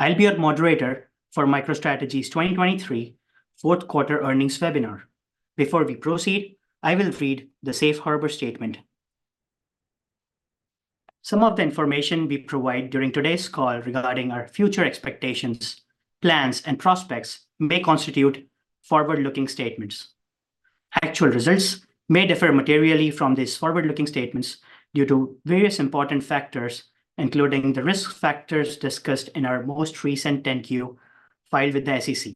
I'll be your moderator for MicroStrategy's 2023 fourth quarter earnings webinar. Before we proceed, I will read the Safe Harbor statement. Some of the information we provide during today's call regarding our future expectations, plans, and prospects may constitute forward-looking statements. Actual results may differ materially from these forward-looking statements due to various important factors, including the risk factors discussed in our most recent 10-Q filed with the SEC.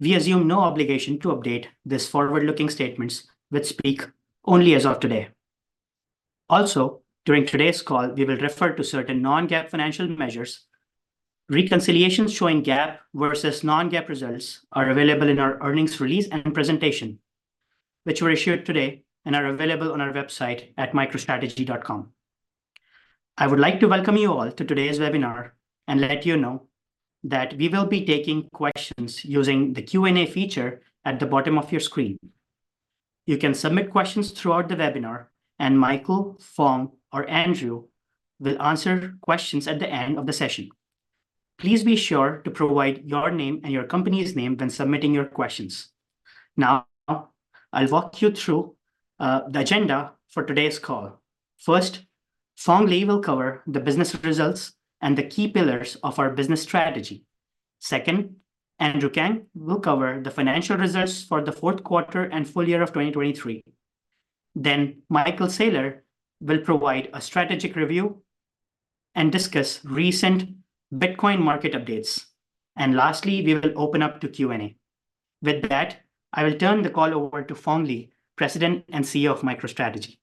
We assume no obligation to update these forward-looking statements, which speak only as of today. Also, during today's call, we will refer to certain non-GAAP financial measures. Reconciliations showing GAAP versus non-GAAP results are available in our earnings release and presentation, which were issued today and are available on our website at microstrategy.com. I would like to welcome you all to today's webinar and let you know that we will be taking questions using the Q&A feature at the bottom of your screen. You can submit questions throughout the webinar, and Michael, Phong, or Andrew will answer questions at the end of the session. Please be sure to provide your name and your company's name when submitting your questions. Now, I'll walk you through the agenda for today's call. First, Phong Le will cover the business results and the key pillars of our business strategy. Second, Andrew Kang will cover the financial results for the fourth quarter and full year of 2023. Then Michael Saylor will provide a strategic review and discuss recent Bitcoin market updates. Lastly, we will open up to Q&A. With that, I will turn the call over to Phong Le, President and CEO of MicroStrategy.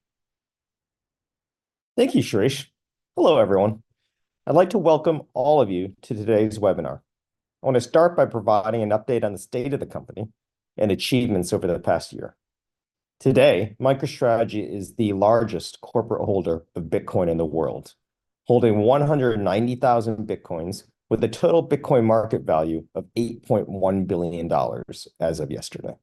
Thank you, Shirish. Hello, everyone. I'd like to welcome all of you to today's webinar. I wanna start by providing an update on the state of the company and achievements over the past year. Today, MicroStrategy is the largest corporate holder of Bitcoin in the world, holding 190,000 Bitcoins, with a total Bitcoin market value of $8.1 billion as of yesterday.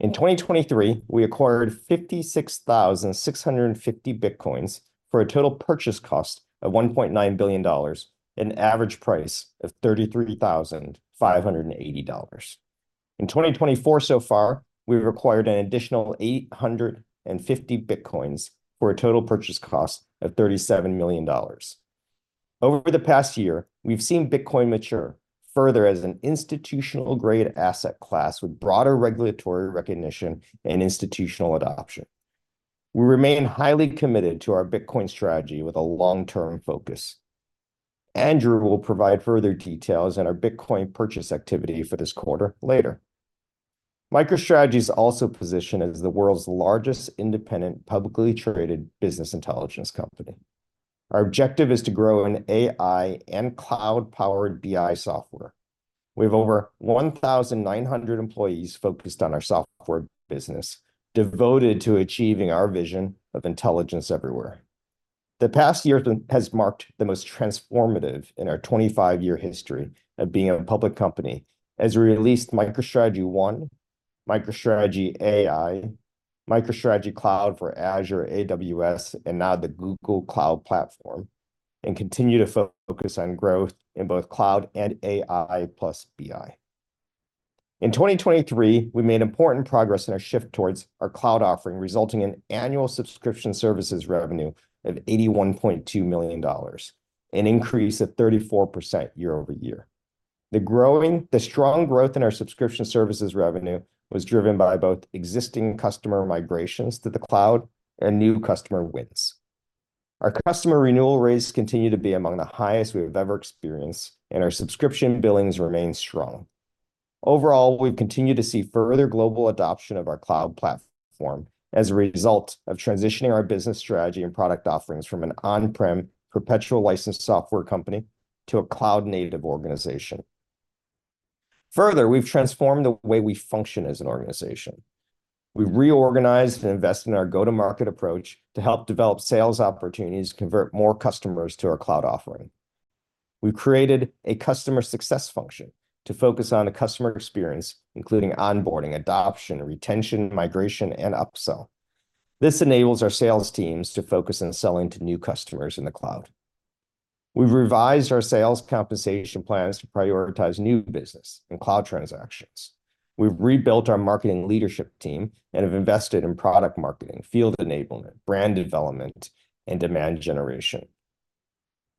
In 2023, we acquired 56,650 Bitcoins for a total purchase cost of $1.9 billion, an average price of $33,580. In 2024 so far, we've acquired an additional 850 Bitcoins for a total purchase cost of $37 million. Over the past year, we've seen Bitcoin mature further as an institutional-grade asset class with broader regulatory recognition and institutional adoption. We remain highly committed to our Bitcoin strategy with a long-term focus. Andrew will provide further details on our Bitcoin purchase activity for this quarter later. MicroStrategy is also positioned as the world's largest independent, publicly traded business intelligence company. Our objective is to grow in AI and cloud-powered BI software. We have over 1,900 employees focused on our software business, devoted to achieving our vision of Intelligence Everywhere. The past year has marked the most transformative in our 25-year history of being a public company, as we released MicroStrategy ONE, MicroStrategy AI, MicroStrategy Cloud for Azure, AWS, and now the Google Cloud Platform, and continue to focus on growth in both cloud and AI + BI. In 2023, we made important progress in our shift towards our cloud offering, resulting in annual subscription services revenue of $81.2 million, an increase of 34% year-over-year. The strong growth in our subscription services revenue was driven by both existing customer migrations to the cloud and new customer wins. Our customer renewal rates continue to be among the highest we have ever experienced, and our subscription billings remain strong. Overall, we've continued to see further global adoption of our cloud platform as a result of transitioning our business strategy and product offerings from an on-prem, perpetual licensed software company to a cloud-native organization. Further, we've transformed the way we function as an organization. We've reorganized and invested in our go-to-market approach to help develop sales opportunities, convert more customers to our cloud offering. We've created a customer success function to focus on the customer experience, including onboarding, adoption, retention, migration, and upsell. This enables our sales teams to focus on selling to new customers in the cloud. We've revised our sales compensation plans to prioritize new business and cloud transactions. We've rebuilt our marketing leadership team and have invested in product marketing, field enablement, brand development, and demand generation.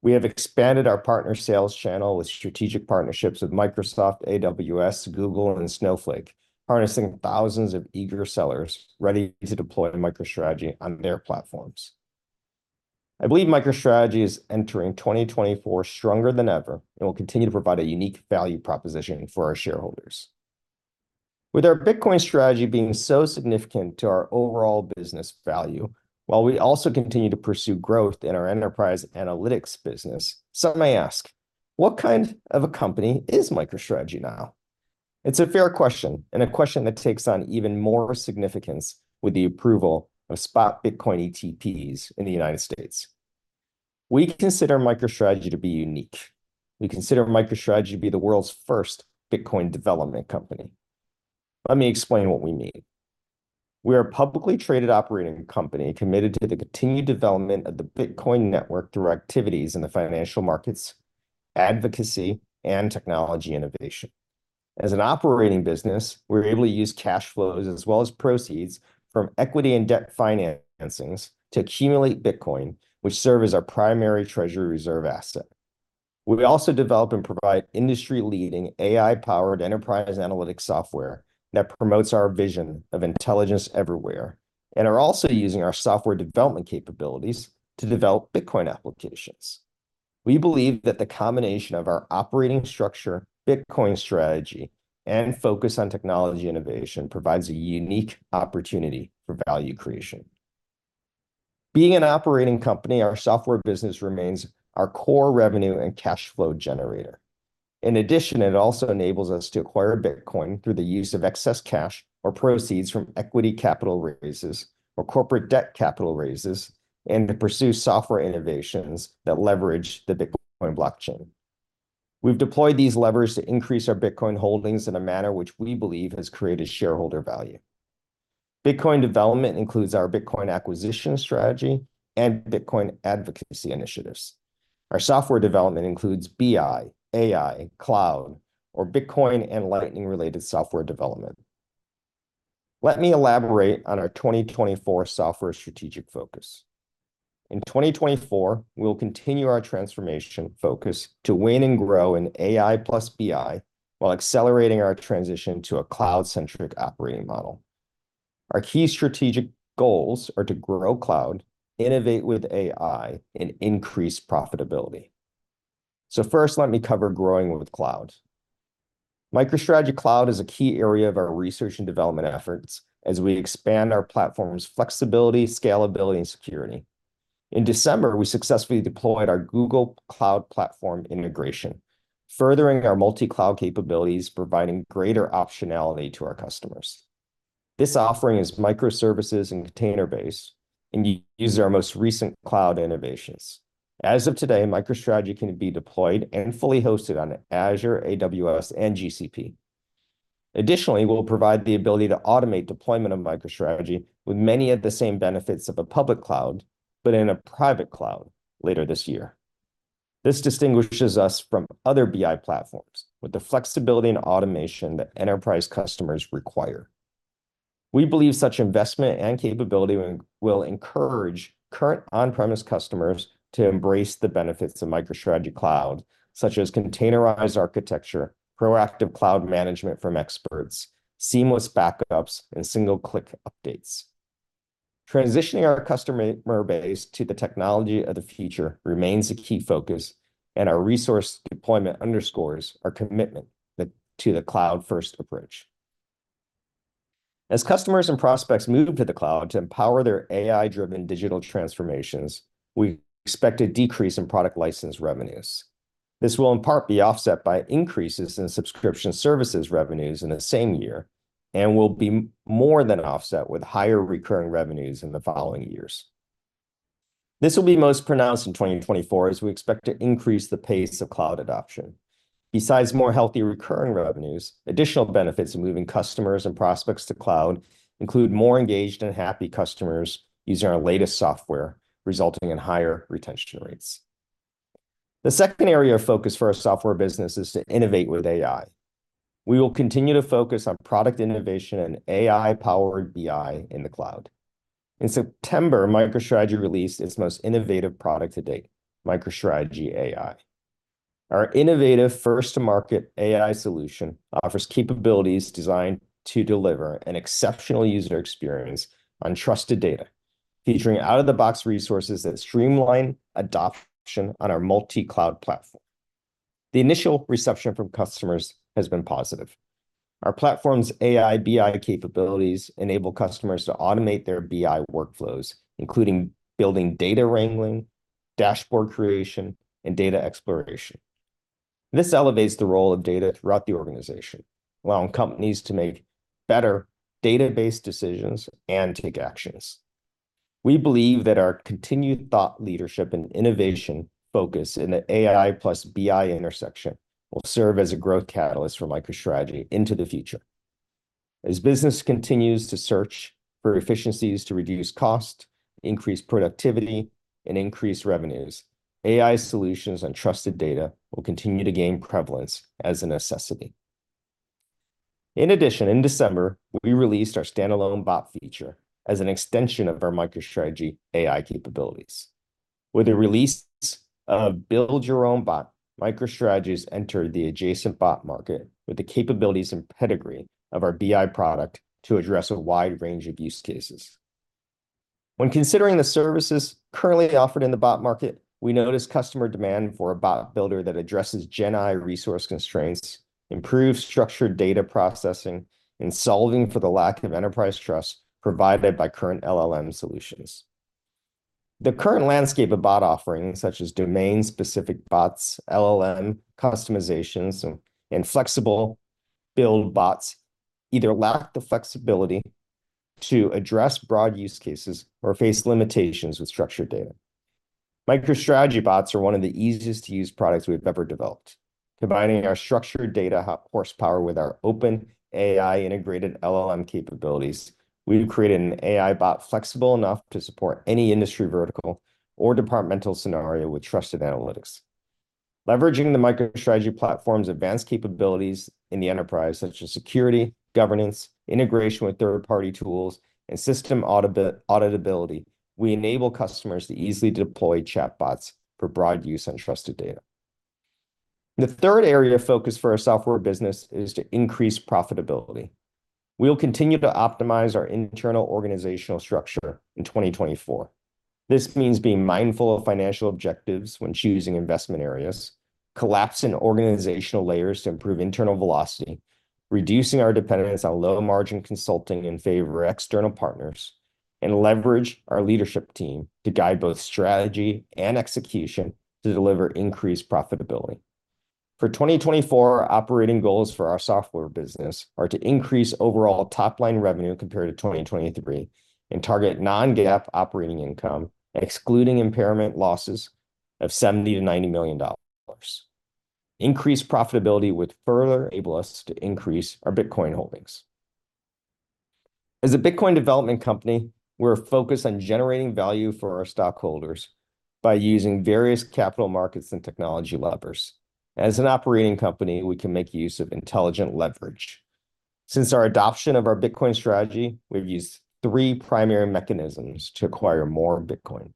We have expanded our partner sales channel with strategic partnerships with Microsoft, AWS, Google, and Snowflake, harnessing thousands of eager sellers ready to deploy MicroStrategy on their platforms. I believe MicroStrategy is entering 2024 stronger than ever and will continue to provide a unique value proposition for our shareholders. With our Bitcoin strategy being so significant to our overall business value, while we also continue to pursue growth in our enterprise analytics business, some may ask: What kind of a company is MicroStrategy now? It's a fair question, and a question that takes on even more significance with the approval spot Bitcoin ETPs in the United States. We consider MicroStrategy to be unique. We consider MicroStrategy to be the world's first Bitcoin Development Company. Let me explain what we mean. We are a publicly traded operating company committed to the continued development of the Bitcoin network through activities in the financial markets, advocacy, and technology innovation. As an operating business, we're able to use cash flows as well as proceeds from equity and debt financings to accumulate Bitcoin, which serve as our primary treasury reserve asset. We also develop and provide industry-leading AI-powered enterprise analytics software that promotes our vision of Intelligence Everywhere, and are also using our software development capabilities to develop Bitcoin applications. We believe that the combination of our operating structure, Bitcoin strategy, and focus on technology innovation provides a unique opportunity for value creation. Being an operating company, our software business remains our core revenue and cash flow generator. In addition, it also enables us to acquire Bitcoin through the use of excess cash or proceeds from equity capital raises or corporate debt capital raises, and to pursue software innovations that leverage the Bitcoin blockchain. We've deployed these levers to increase our Bitcoin holdings in a manner which we believe has created shareholder value. Bitcoin development includes our Bitcoin acquisition strategy and Bitcoin advocacy initiatives. Our software development includes BI, AI, cloud, or Bitcoin, and Lightning-related software development. Let me elaborate on our 2024 Software Strategic Focus. In 2024, we will continue our transformation focus to win and grow in AI + BI, while accelerating our transition to a cloud-centric operating model. Our key strategic goals are to grow cloud, innovate with AI, and increase profitability. So first, let me cover growing with cloud. MicroStrategy Cloud is a key area of our research and development efforts as we expand our platform's flexibility, scalability, and security. In December, we successfully deployed our Google Cloud Platform integration, furthering our multi-cloud capabilities, providing greater optionality to our customers. This offering is microservices and container-based, and uses our most recent cloud innovations. As of today, MicroStrategy can be deployed and fully hosted on Azure, AWS, and GCP. Additionally, we'll provide the ability to automate deployment of MicroStrategy with many of the same benefits of a public cloud, but in a private cloud later this year. This distinguishes us from other BI platforms with the flexibility and automation that enterprise customers require. We believe such investment and capability will encourage current on-premise customers to embrace the benefits of MicroStrategy Cloud, such as containerized architecture, proactive cloud management from experts, seamless backups, and single-click updates. Transitioning our customer base to the technology of the future remains a key focus, and our resource deployment underscores our commitment to the cloud-first approach. As customers and prospects move to the cloud to empower their AI-driven digital transformations, we expect a decrease in product license revenues. This will in part be offset by increases in subscription services revenues in the same year, and will be more than offset with higher recurring revenues in the following years. This will be most pronounced in 2024, as we expect to increase the pace of cloud adoption. Besides more healthy recurring revenues, additional benefits of moving customers and prospects to cloud include more engaged and happy customers using our latest software, resulting in higher retention rates. The second area of focus for our software business is to innovate with AI. We will continue to focus on product innovation and AI-powered BI in the cloud. In September, MicroStrategy released its most innovative product to date, MicroStrategy AI. Our innovative first-to-market AI solution offers capabilities designed to deliver an exceptional user experience on trusted data, featuring out-of-the-box resources that streamline adoption on our multi-cloud platform. The initial reception from customers has been positive. Our platform's AI, BI capabilities enable customers to automate their BI workflows, including building data wrangling, dashboard creation, and data exploration. This elevates the role of data throughout the organization, allowing companies to make better data-based decisions and take actions. We believe that our continued thought leadership and innovation focus in the AI + BI intersection will serve as a growth catalyst for MicroStrategy into the future. As business continues to search for efficiencies to reduce cost, increase productivity, and increase revenues, AI solutions and trusted data will continue to gain prevalence as a necessity. In addition, in December, we released our standalone bot feature as an extension of our MicroStrategy AI capabilities. With the release of Build Your Own Bot, MicroStrategy has entered the adjacent bot market with the capabilities and pedigree of our BI product to address a wide range of use cases. When considering the services currently offered in the bot market, we noticed customer demand for a bot builder that addresses Gen AI resource constraints, improves structured data processing, and solving for the lack of enterprise trust provided by current LLM solutions. The current landscape of bot offerings, such as domain-specific bots, LLM customizations, and flexible build bots, either lack the flexibility to address broad use cases or face limitations with structured data. MicroStrategy Bots are one of the easiest to use products we've ever developed. Combining our structured data horsepower with our OpenAI integrated LLM capabilities, we've created an AI bot flexible enough to support any industry vertical or departmental scenario with trusted analytics. Leveraging the MicroStrategy platform's advanced capabilities in the enterprise, such as security, governance, integration with third-party tools, and system auditability, we enable customers to easily deploy chatbots for broad use on trusted data. The third area of focus for our software business is to increase profitability. We'll continue to optimize our internal organizational structure in 2024. This means being mindful of financial objectives when choosing investment areas, collapsing organizational layers to improve internal velocity, reducing our dependence on low-margin consulting in favor of external partners, and leverage our leadership team to guide both strategy and execution to deliver increased profitability. For 2024, operating goals for our software business are to increase overall top-line revenue compared to 2023, and target non-GAAP operating income, excluding impairment losses of $70 million-$90 million. Increased profitability would further enable us to increase our Bitcoin holdings. As a Bitcoin Development Company, we're focused on generating value for our stockholders by using various capital markets and technology levers. As an operating company, we can make use of intelligent leverage. Since our adoption of our Bitcoin strategy, we've used three primary mechanisms to acquire more Bitcoin.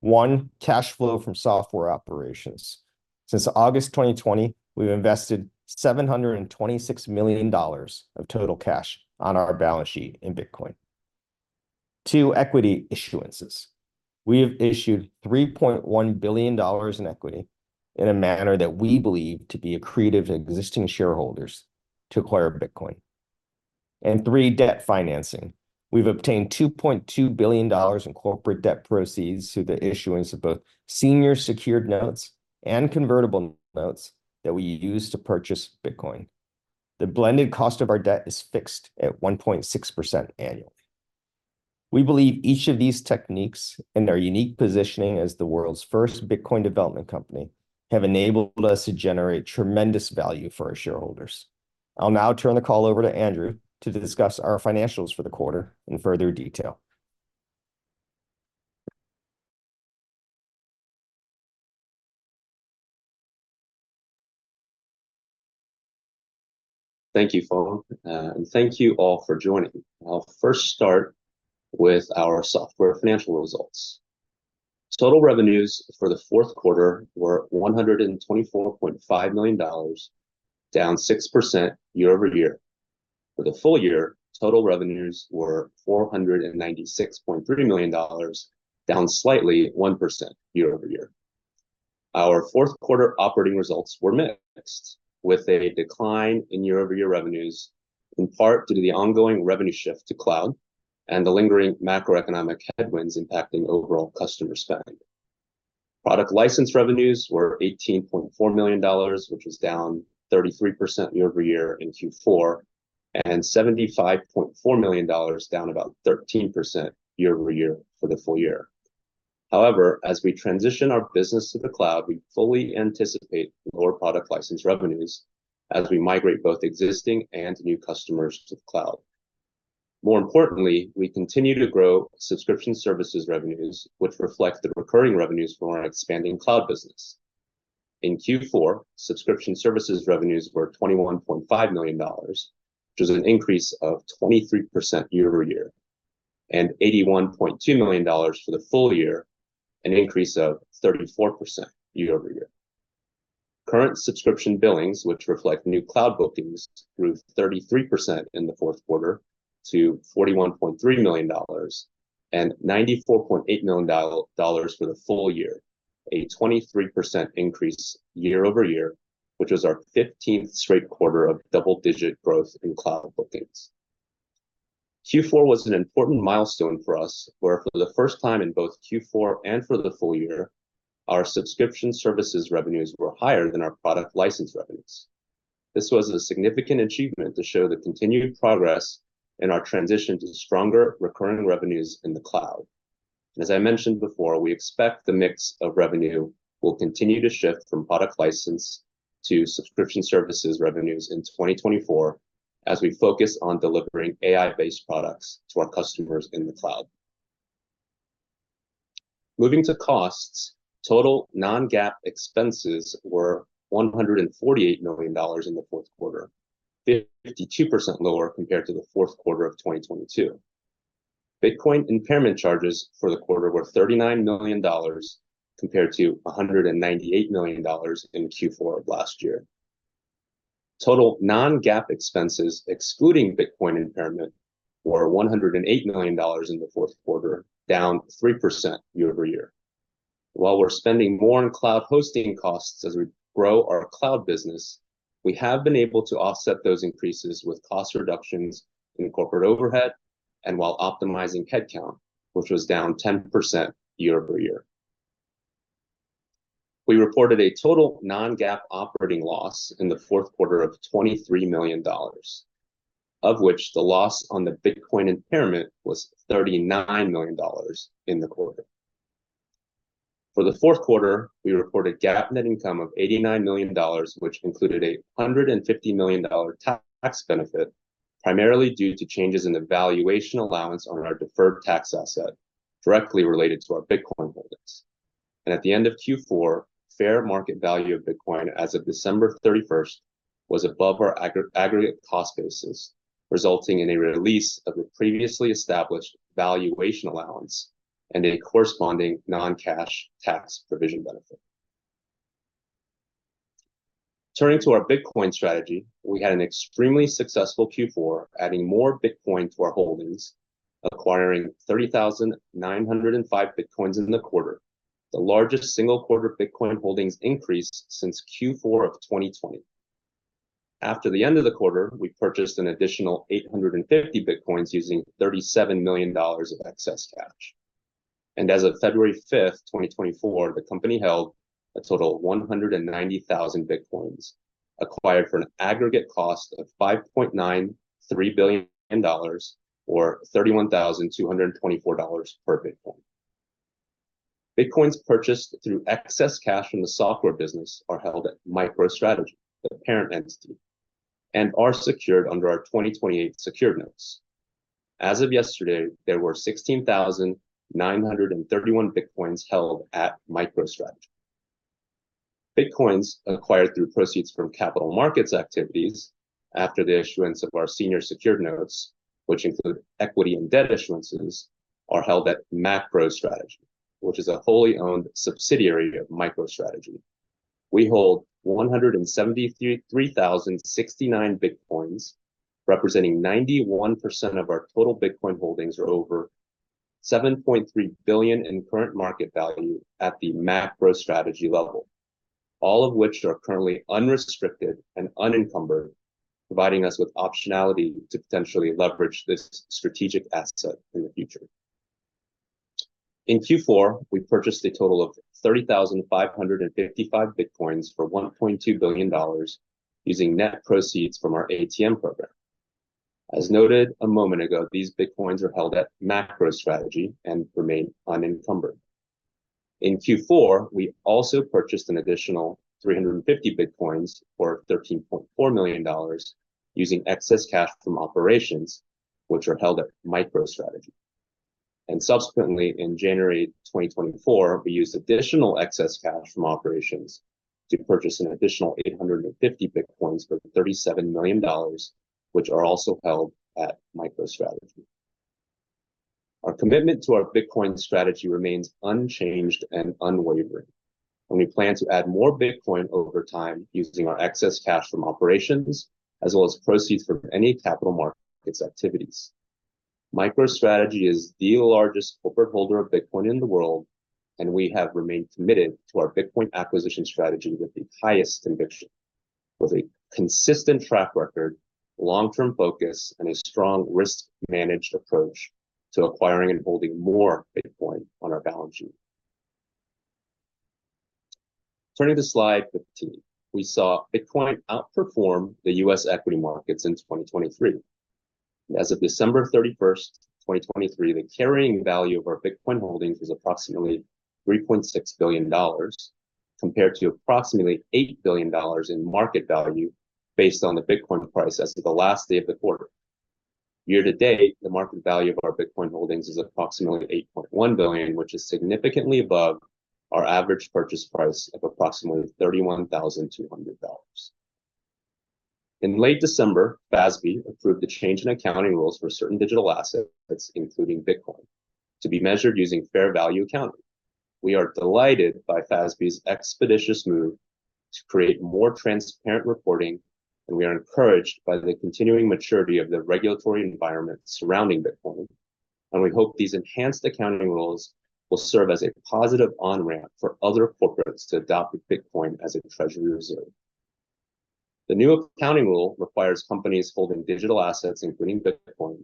One, cash flow from software operations. Since August 2020, we've invested $726 million of total cash on our balance sheet in Bitcoin. Two, equity issuances. We have issued $3.1 billion in equity in a manner that we believe to be accretive to existing shareholders to acquire Bitcoin. And three, debt financing. We've obtained $2.2 billion in corporate debt proceeds through the issuance of both senior secured notes and convertible notes that we use to purchase Bitcoin. The blended cost of our debt is fixed at 1.6% annually. We believe each of these techniques and our unique positioning as the world's first Bitcoin Development Company, have enabled us to generate tremendous value for our shareholders. I'll now turn the call over to Andrew to discuss our financials for the quarter in further detail. Thank you, Phong, and thank you all for joining. I'll first start with our software financial results. Total revenues for the fourth quarter were $124.5 million, down 6% year-over-year. For the full year, total revenues were $496.3 million, down slightly, 1% year-over-year. Our fourth quarter operating results were mixed, with a decline in year-over-year revenues, in part due to the ongoing revenue shift to cloud and the lingering macroeconomic headwinds impacting overall customer spending. Product license revenues were $18.4 million, which was down 33% year-over-year in Q4, and $75.4 million, down about 13% year-over-year for the full year. However, as we transition our business to the cloud, we fully anticipate lower product license revenues as we migrate both existing and new customers to the cloud. More importantly, we continue to grow subscription services revenues, which reflect the recurring revenues from our expanding cloud business. In Q4, subscription services revenues were $21.5 million, which is an increase of 23% year-over-year, and $81.2 million for the full year, an increase of 34% year-over-year. Current subscription billings, which reflect new cloud bookings, grew 33% in the fourth quarter to $41.3 million, and $94.8 million for the full year, a 23% increase year-over-year, which is our 15th straight quarter of double-digit growth in cloud bookings. Q4 was an important milestone for us, where for the first time in both Q4 and for the full year, our subscription services revenues were higher than our product license revenues. This was a significant achievement to show the continued progress in our transition to stronger recurring revenues in the cloud. As I mentioned before, we expect the mix of revenue will continue to shift from product license to subscription services revenues in 2024, as we focus on delivering AI-based products to our customers in the cloud. Moving to costs, total non-GAAP expenses were $148 million in the fourth quarter, 52% lower compared to the fourth quarter of 2022. Bitcoin impairment charges for the quarter were $39 million, compared to $198 million in Q4 of last year. Total non-GAAP expenses, excluding Bitcoin impairment, were $108 million in the fourth quarter, down 3% year-over-year. While we're spending more on cloud hosting costs as we grow our cloud business, we have been able to offset those increases with cost reductions in corporate overhead and while optimizing headcount, which was down 10% year-over-year. We reported a total non-GAAP operating loss in the fourth quarter of $23 million, of which the loss on the Bitcoin impairment was $39 million in the quarter. For the fourth quarter, we reported GAAP net income of $89 million, which included a $150 million tax benefit, primarily due to changes in the valuation allowance on our deferred tax asset, directly related to our Bitcoin holdings. At the end of Q4, fair market value of Bitcoin as of December 31st was above our aggregate cost basis, resulting in a release of the previously established valuation allowance and a corresponding non-cash tax provision benefit. Turning to our Bitcoin strategy, we had an extremely successful Q4, adding more Bitcoin to our holdings, acquiring 30,905 bitcoins in the quarter, the largest single-quarter Bitcoin holdings increase since Q4 of 2020. After the end of the quarter, we purchased an additional 850 bitcoins using $37 million of excess cash. As of February 5th, 2024, the company held a total of 190,000 bitcoins, acquired for an aggregate cost of $5.93 billion or $31,224 per bitcoin. Bitcoin purchased through excess cash from the software business are held at MicroStrategy, the parent entity, and are secured under our 2028 secured notes. As of yesterday, there were 16,931 Bitcoins held at MicroStrategy. Bitcoin acquired through proceeds from capital markets activities after the issuance of our senior secured notes, which include equity and debt issuances, are held at MacroStrategy, which is a wholly owned subsidiary of MicroStrategy. We hold 173,069 Bitcoins, representing 91% of our total Bitcoin holdings, or over $7.3 billion in current market value at the MacroStrategy level, all of which are currently unrestricted and unencumbered, providing us with optionality to potentially leverage this strategic asset in the future. In Q4, we purchased a total of 30,555 Bitcoins for $1.2 billion using net proceeds from our ATM program. As noted a moment ago, these Bitcoins are held at MacroStrategy and remain unencumbered. In Q4, we also purchased an additional 350 Bitcoins for $13.4 million, using excess cash from operations which are held at MicroStrategy. And subsequently, in January 2024, we used additional excess cash from operations to purchase an additional 850 Bitcoins for $37 million, which are also held at MicroStrategy. Our commitment to our Bitcoin strategy remains unchanged and unwavering, and we plan to add more Bitcoin over time using our excess cash from operations, as well as proceeds from any capital markets activities. MicroStrategy is the largest corporate holder of Bitcoin in the world, and we have remained committed to our Bitcoin acquisition strategy with the highest conviction, with a consistent track record, long-term focus, and a strong risk-managed approach to acquiring and holding more Bitcoin on our balance sheet. Turning to slide 15, we saw Bitcoin outperform the U.S. equity markets in 2023. As of December 31, 2023, the carrying value of our Bitcoin holdings was approximately $3.6 billion, compared to approximately $8 billion in market value based on the Bitcoin price as of the last day of the quarter. Year to date, the market value of our Bitcoin holdings is approximately $8.1 billion, which is significantly above our average purchase price of approximately $31,200. In late December, FASB approved the change in accounting rules for certain digital assets, including Bitcoin, to be measured using fair value accounting. We are delighted by FASB's expeditious move to create more transparent reporting, and we are encouraged by the continuing maturity of the regulatory environment surrounding Bitcoin, and we hope these enhanced accounting rules will serve as a positive on-ramp for other corporates to adopt Bitcoin as a treasury reserve. The new accounting rule requires companies holding digital assets, including Bitcoin,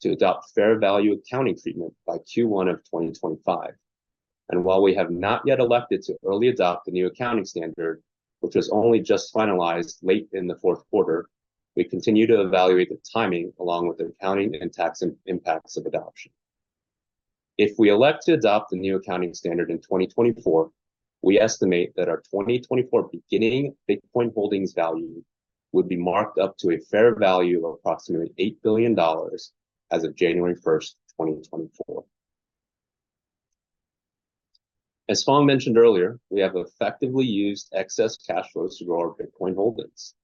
to adopt fair value accounting treatment by Q1 of 2025. While we have not yet elected to early adopt the new accounting standard, which was only just finalized late in the fourth quarter, we continue to evaluate the timing, along with the accounting and tax impacts of adoption. If we elect to adopt the new accounting standard in 2024, we estimate that our 2024 beginning Bitcoin holdings value would be marked up to a fair value of approximately $8 billion as of January 1st, 2024. As Phong mentioned earlier, we have effectively used excess cash flows to grow our Bitcoin holdings.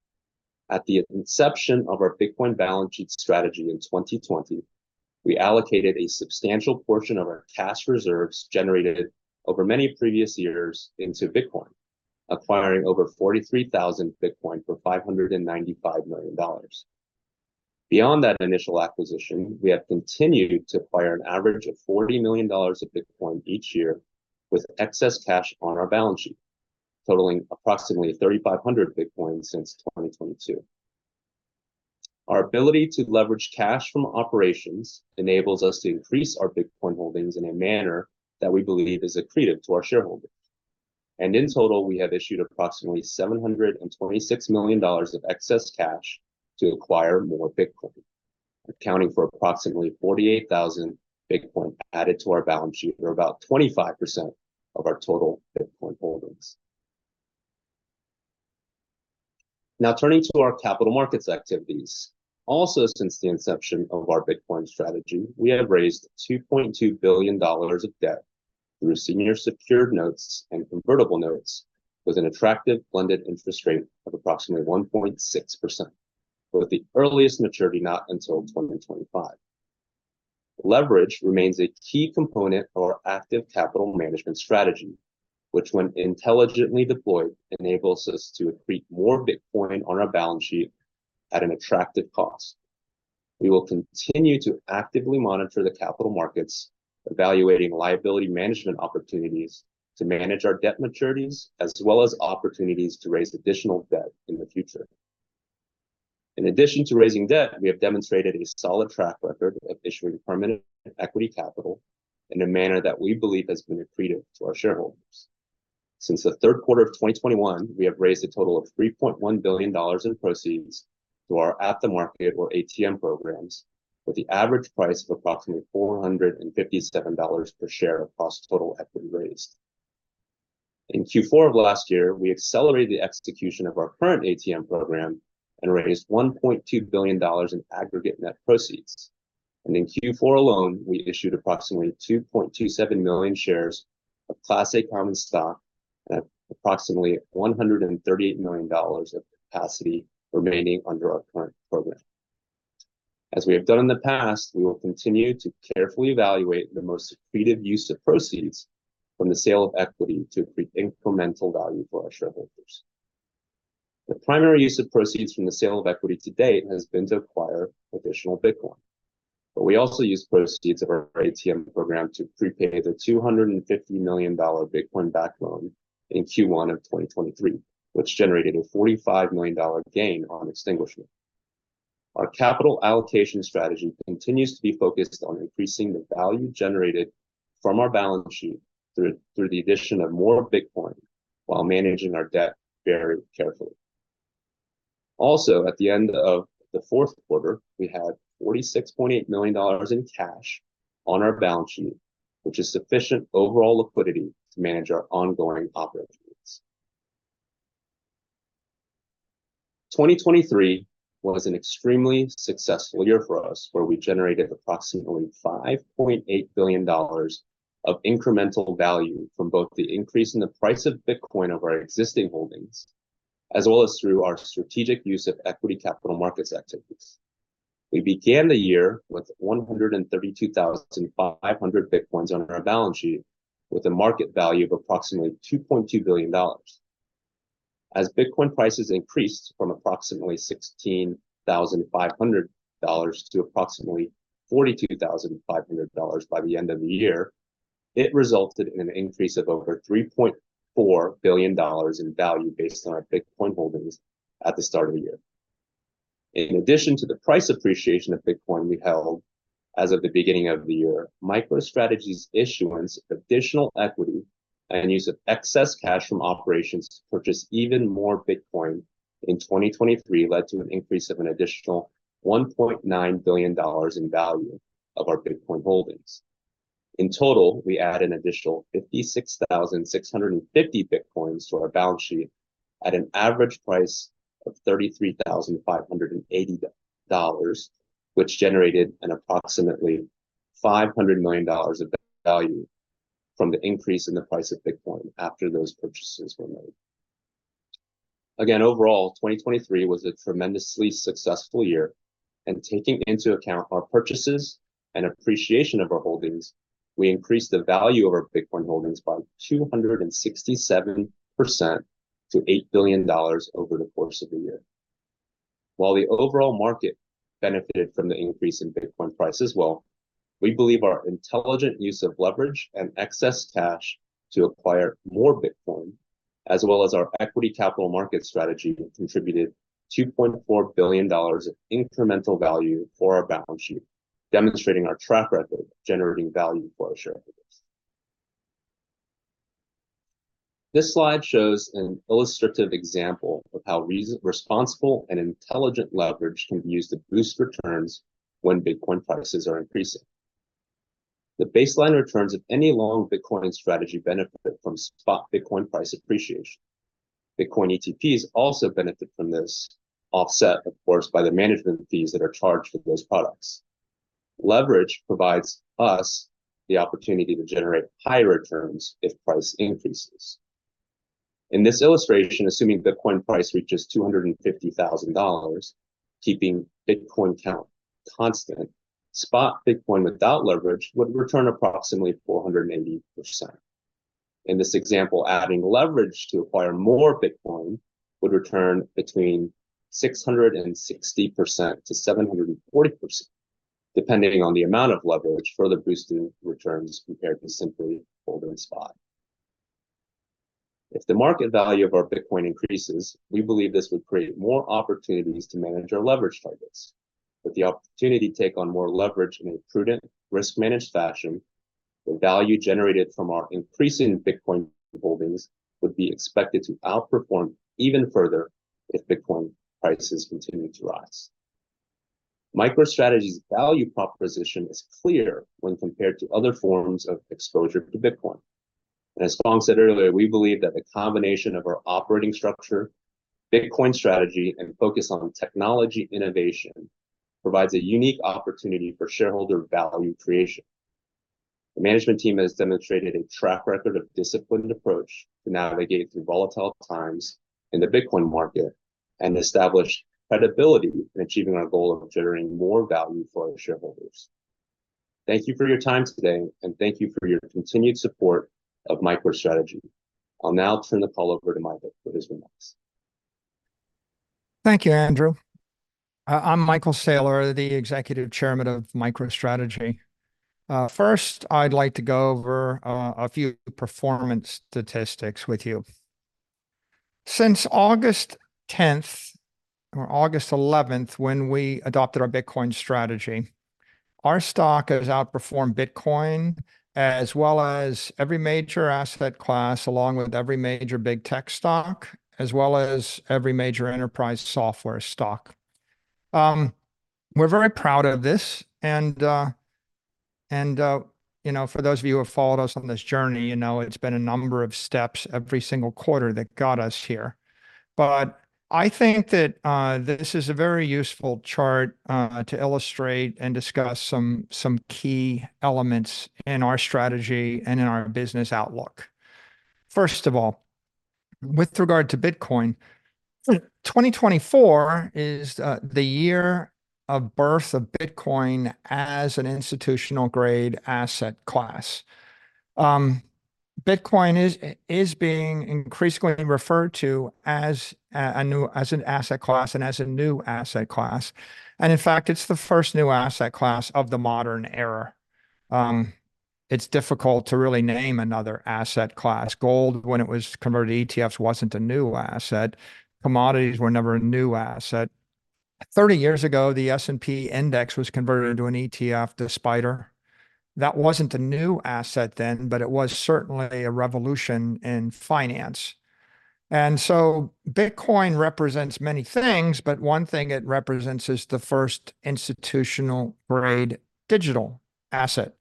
At the inception of our Bitcoin balance sheet strategy in 2020, we allocated a substantial portion of our cash reserves, generated over many previous years, into Bitcoin, acquiring over 43,000 Bitcoin for $595 million. Beyond that initial acquisition, we have continued to acquire an average of $40 million of Bitcoin each year, with excess cash on our balance sheet, totaling approximately 3,500 Bitcoin since 2022.... Our ability to leverage cash from operations enables us to increase our Bitcoin holdings in a manner that we believe is accretive to our shareholders. In total, we have issued approximately $726 million of excess cash to acquire more Bitcoin, accounting for approximately 48,000 Bitcoin added to our balance sheet, or about 25% of our total Bitcoin holdings. Now, turning to our capital markets activities. Also, since the inception of our Bitcoin strategy, we have raised $2.2 billion of debt through senior secured notes and convertible notes, with an attractive blended interest rate of approximately 1.6%, with the earliest maturity not until 2025. Leverage remains a key component of our active capital management strategy, which, when intelligently deployed, enables us to accrete more Bitcoin on our balance sheet at an attractive cost. We will continue to actively monitor the capital markets, evaluating liability management opportunities to manage our debt maturities, as well as opportunities to raise additional debt in the future. In addition to raising debt, we have demonstrated a solid track record of issuing permanent equity capital in a manner that we believe has been accretive to our shareholders. Since the third quarter of 2021, we have raised a total of $3.1 billion in proceeds through our at-the-market, or ATM, programs, with the average price of approximately $457 per share across total equity raised. In Q4 of last year, we accelerated the execution of our current ATM program and raised $1.2 billion in aggregate net proceeds. In Q4 alone, we issued approximately 2.27 million shares of Class A common stock at approximately $138 million of capacity remaining under our current program. As we have done in the past, we will continue to carefully evaluate the most accretive use of proceeds from the sale of equity to create incremental value for our shareholders. The primary use of proceeds from the sale of equity to date has been to acquire additional Bitcoin, but we also use proceeds of our ATM program to prepay the $250 million Bitcoin-backed loan in Q1 of 2023, which generated a $45 million gain on extinguishment. Our capital allocation strategy continues to be focused on increasing the value generated from our balance sheet through the addition of more Bitcoin, while managing our debt very carefully. Also, at the end of the fourth quarter, we had $46.8 million in cash on our balance sheet, which is sufficient overall liquidity to manage our ongoing operations. 2023 was an extremely successful year for us, where we generated approximately $5.8 billion of incremental value from both the increase in the price of Bitcoin of our existing holdings, as well as through our strategic use of equity capital markets activities. We began the year with 132,500 Bitcoins on our balance sheet, with a market value of approximately $2.2 billion. As Bitcoin prices increased from approximately $16,500 to approximately $42,500 by the end of the year, it resulted in an increase of over $3.4 billion in value based on our Bitcoin holdings at the start of the year. In addition to the price appreciation of Bitcoin we held as of the beginning of the year, MicroStrategy's issuance of additional equity and use of excess cash from operations to purchase even more Bitcoin in 2023 led to an increase of an additional $1.9 billion in value of our Bitcoin holdings. In total, we add an additional 56,650 Bitcoins to our balance sheet at an average price of $33,580 dollars, which generated an approximately $500 million of value from the increase in the price of Bitcoin after those purchases were made. Again, overall, 2023 was a tremendously successful year, and taking into account our purchases and appreciation of our holdings, we increased the value of our Bitcoin holdings by 267% to $8 billion over the course of the year. While the overall market benefited from the increase in Bitcoin price as well, we believe our intelligent use of leverage and excess cash to acquire more Bitcoin, as well as our equity capital market strategy, contributed $2.4 billion of incremental value for our balance sheet, demonstrating our track record of generating value for our shareholders. This slide shows an illustrative example of how responsible and intelligent leverage can be used to boost returns when Bitcoin prices are increasing. The baseline returns of any long Bitcoin strategy benefit spot Bitcoin price appreciation. Bitcoin ETPs also benefit from this, offset, of course, by the management fees that are charged for those products. Leverage provides us the opportunity to generate higher returns if price increases. In this illustration, assuming Bitcoin price reaches $250,000, keeping Bitcoin count spot Bitcoin without leverage would return approximately 480%. In this example, adding leverage to acquire more Bitcoin would return between 660%-740%, depending on the amount of leverage, further boosting returns compared to simply holding spot.... If the market value of our Bitcoin increases, we believe this would create more opportunities to manage our leverage targets. With the opportunity to take on more leverage in a prudent, risk-managed fashion, the value generated from our increasing Bitcoin holdings would be expected to outperform even further if Bitcoin prices continue to rise. MicroStrategy's value proposition is clear when compared to other forms of exposure to Bitcoin. As Phong said earlier, we believe that the combination of our operating structure, Bitcoin strategy, and focus on technology innovation provides a unique opportunity for shareholder value creation. The management team has demonstrated a track record of disciplined approach to navigate through volatile times in the Bitcoin market, and established credibility in achieving our goal of generating more value for our shareholders. Thank you for your time today, and thank you for your continued support of MicroStrategy. I'll now turn the call over to Michael for his remarks. Thank you, Andrew. I'm Michael Saylor, the Executive Chairman of MicroStrategy. First I'd like to go over a few performance statistics with you. Since August 10th or August 11th, when we adopted our Bitcoin strategy, our stock has outperformed Bitcoin, as well as every major asset class, along with every major Big Tech stock, as well as every major enterprise software stock. We're very proud of this, and, you know, for those of you who have followed us on this journey, you know it's been a number of steps every single quarter that got us here. But I think that this is a very useful chart to illustrate and discuss some key elements in our strategy and in our business outlook. First of all, with regard to Bitcoin, 2024 is the year of birth of Bitcoin as an institutional-grade asset class. Bitcoin is, is being increasingly referred to as a, as an asset class and as a new asset class, and in fact, it's the first new asset class of the modern era. It's difficult to really name another asset class. Gold, when it was converted to ETFs, wasn't a new asset. Commodities were never a new asset. 30 years ago, the S&P index was converted into an ETF, the SPDR. That wasn't a new asset then, but it was certainly a revolution in finance. And so Bitcoin represents many things, but one thing it represents is the first institutional-grade digital asset.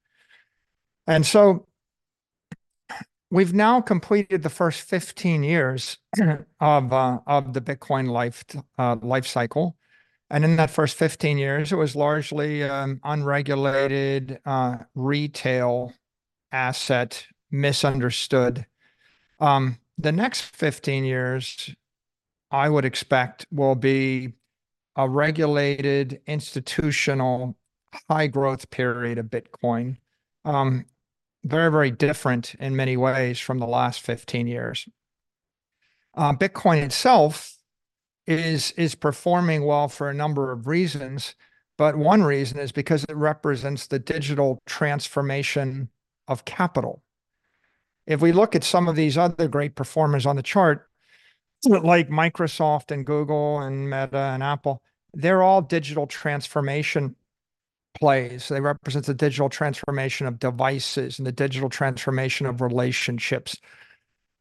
So we've now completed the first 15 years, of, of the Bitcoin life cycle, and in that first 15 years, it was largely, unregulated, retail asset, misunderstood. The next 15 years, I would expect, will be a regulated, institutional, high-growth period of Bitcoin. Very, very different in many ways from the last 15 years. Bitcoin itself is performing well for a number of reasons, but one reason is because it represents the digital transformation of capital. If we look at some of these other great performers on the chart, like Microsoft and Google and Meta and Apple, they're all digital transformation plays. They represent the digital transformation of devices, and the digital transformation of relationships,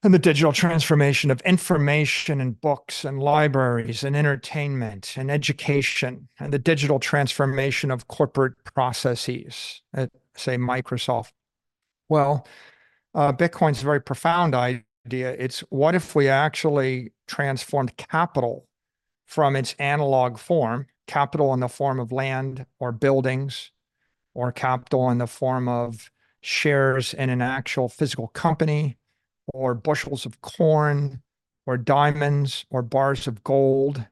and the digital transformation of information, and books, and libraries, and entertainment, and education, and the digital transformation of corporate processes, at, say, Microsoft. Well, Bitcoin's a very profound idea. It's what if we actually transformed capital from its analog form, capital in the form of land or buildings, or capital in the form of shares in an actual physical company, or bushels of corn, or diamonds, or bars of gold,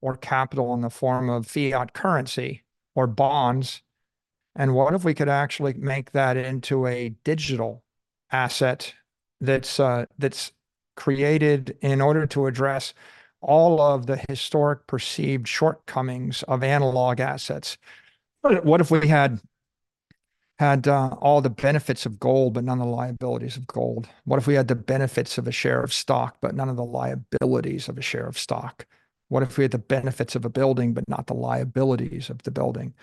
or capital in the form of fiat currency or bonds, and what if we could actually make that into a digital asset that's, that's created in order to address all of the historic perceived shortcomings of analog assets? What if we had all the benefits of gold, but none of the liabilities of gold? What if we had the benefits of a share of stock, but none of the liabilities of a share of stock? What if we had the benefits of a building, but not the liabilities of the building?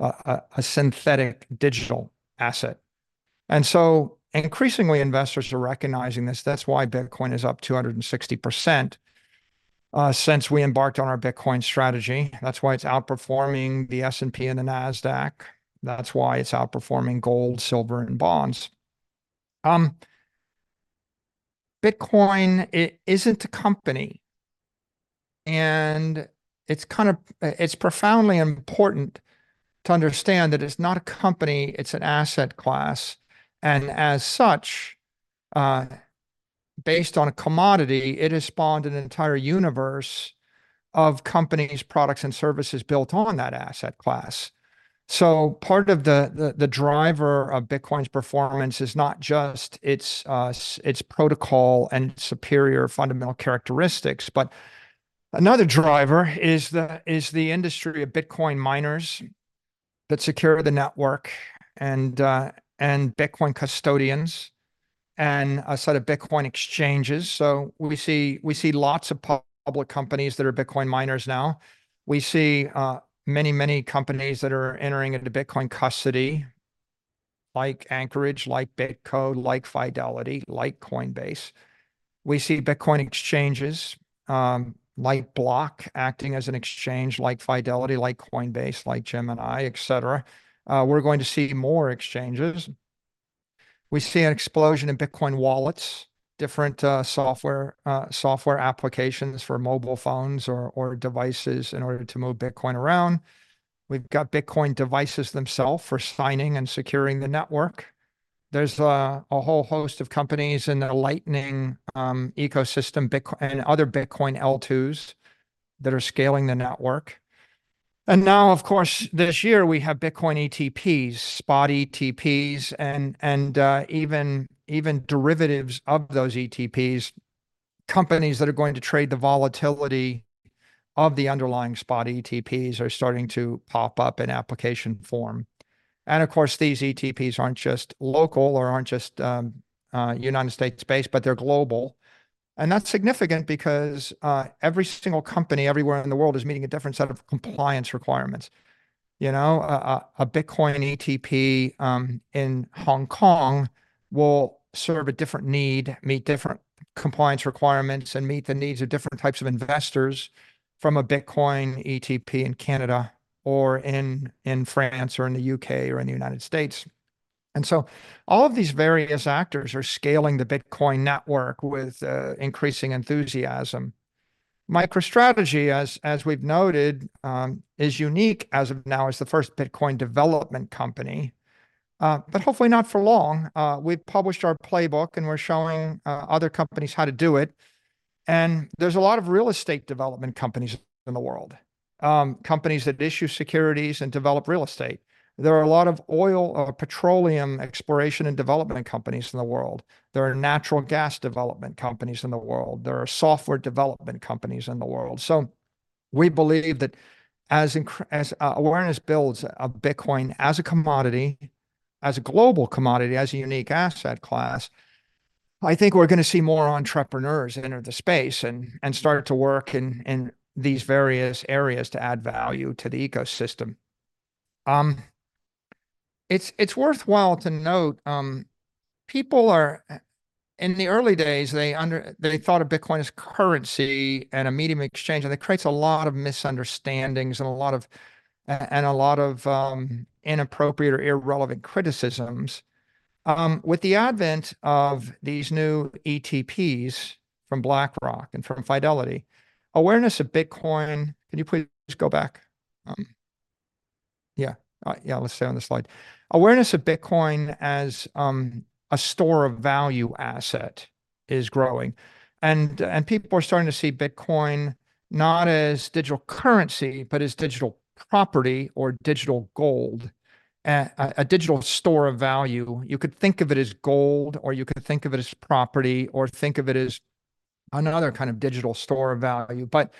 A synthetic digital asset. So increasingly, investors are recognizing this. That's why Bitcoin is up 260%, since we embarked on our Bitcoin strategy. That's why it's outperforming the S&P and the Nasdaq. That's why it's outperforming gold, silver, and bonds. Bitcoin isn't a company, and it's profoundly important to understand that it's not a company. It's an asset class, and as such, based on a commodity, it has spawned an entire universe of companies, products, and services built on that asset class. So part of the driver of Bitcoin's performance is not just its protocol and superior fundamental characteristics, but another driver is the industry of Bitcoin miners that secure the network, and Bitcoin custodians, and a set of Bitcoin exchanges. So we see, we see lots of public companies that are Bitcoin miners now. We see many, many companies that are entering into Bitcoin custody, like Anchorage, like BitGo, like Fidelity, like Coinbase. We see Bitcoin exchanges, like Block acting as an exchange, like Fidelity, like Coinbase, like Gemini, et cetera. We're going to see more exchanges. We see an explosion in Bitcoin wallets, different software, software applications for mobile phones or, or devices in order to move Bitcoin around. We've got Bitcoin devices themselves for signing and securing the network. There's a whole host of companies in the Lightning ecosystem, and other Bitcoin L2s that are scaling the network. And now, of course, this year we have Bitcoin ETPs, Spot ETPs, and even derivatives of those ETPs. Companies that are going to trade the volatility of the underlying spot ETPs are starting to pop up in application form. And of course, these ETPs aren't just local or aren't just United States-based, but they're global. And that's significant because every single company everywhere in the world is meeting a different set of compliance requirements. You know, a Bitcoin ETP in Hong Kong will serve a different need, meet different compliance requirements, and meet the needs of different types of investors from a Bitcoin ETP in Canada or in France, or in the U.K., or in the United States. And so all of these various actors are scaling the Bitcoin network with increasing enthusiasm. MicroStrategy, as we've noted, is unique as of now, as the first Bitcoin Development Company, but hopefully not for long. We've published our playbook, and we're showing other companies how to do it, and there's a lot of real estate development companies in the world. Companies that issue securities and develop real estate. There are a lot of oil petroleum exploration and development companies in the world. There are natural gas development companies in the world. There are software development companies in the world. So we believe that as awareness builds of Bitcoin as a commodity, as a global commodity, as a unique asset class, I think we're going to see more entrepreneurs enter the space and start to work in these various areas to add value to the ecosystem. It's worthwhile to note people are, In the early days, they thought of Bitcoin as currency and a medium of exchange, and it creates a lot of misunderstandings and a lot of inappropriate or irrelevant criticisms. With the advent of these new ETPs from BlackRock and from Fidelity, awareness of Bitcoin- Can you please just go back? Yeah. Yeah, let's stay on this slide. Awareness of Bitcoin as a store of value asset is growing, and people are starting to see Bitcoin not as digital currency, but as digital property or digital gold, a digital store of value. You could think of it as gold, or you could think of it as property, or think of it as another kind of digital store of value. But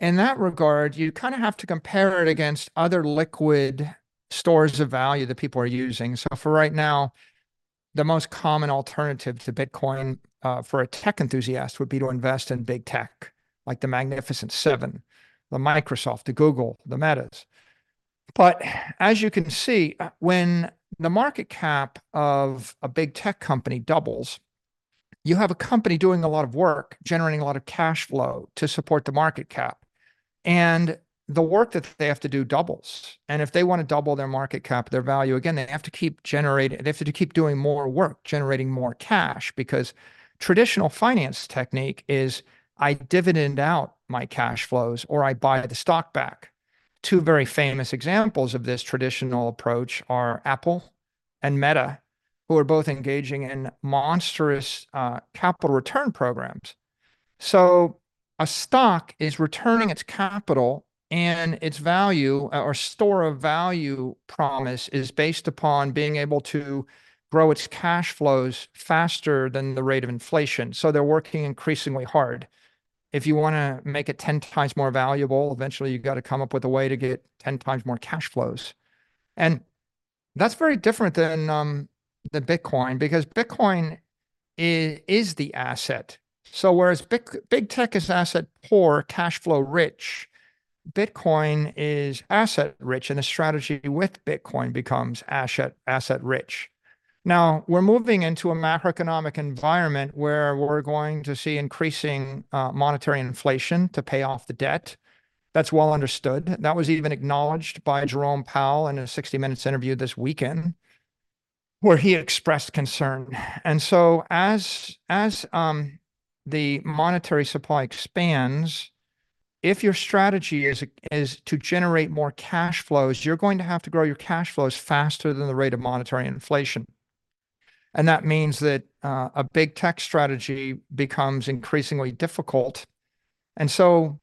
in that regard, you kind of have to compare it against other liquid stores of value that people are using. So for right now, the most common alternative to Bitcoin, for a tech enthusiast, would be to invest in Big Tech, like the Magnificent Seven, the Microsoft, the Google, the Metas. But as you can see, when the market cap of a Big Tech company doubles, you have a company doing a lot of work, generating a lot of cash flow to support the market cap, and the work that they have to do doubles. And if they want to double their market cap, their value, again, they have to keep generating, they have to keep doing more work, generating more cash, because traditional finance technique is, I dividend out my cash flows or I buy the stock back. Two very famous examples of this traditional approach are Apple and Meta, who are both engaging in monstrous, capital return programs. So a stock is returning its capital, and its value, or store of value promise, is based upon being able to grow its cash flows faster than the rate of inflation, so they're working increasingly hard. If you wanna make it 10x more valuable, eventually you've got to come up with a way to get 10x more cash flows. And that's very different than Bitcoin, because Bitcoin is the asset. So whereas big, Big Tech is asset-poor, cash-flow rich, Bitcoin is asset-rich, and the Strategy with Bitcoin becomes asset-rich. Now, we're moving into a macroeconomic environment where we're going to see increasing, monetary inflation to pay off the debt. That's well understood. That was even acknowledged by Jerome Powell in a 60 Minutes interview this weekend, where he expressed concern. And so as the monetary supply expands, if your strategy is to generate more cash flows, you're going to have to grow your cash flows faster than the rate of monetary inflation, and that means that a Big Tech strategy becomes increasingly difficult. And so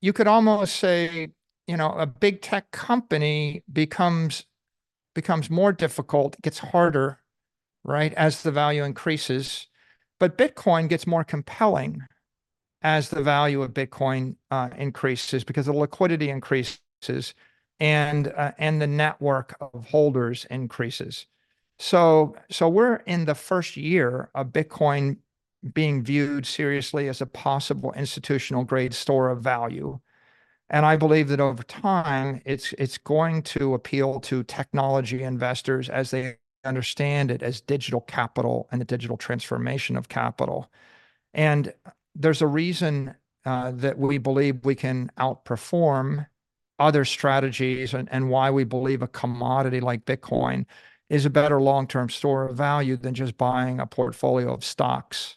you could almost say, you know, a Big Tech company becomes more difficult, it gets harder, right, as the value increases, but Bitcoin gets more compelling... as the value of Bitcoin increases, because the liquidity increases, and the network of holders increases. So we're in the first year of Bitcoin being viewed seriously as a possible institutional-grade store of value. I believe that over time, it's going to appeal to technology investors as they understand it, as digital capital and the digital transformation of capital. There's a reason that we believe we can outperform other strategies, and why we believe a commodity like Bitcoin is a better long-term store of value than just buying a portfolio of stocks,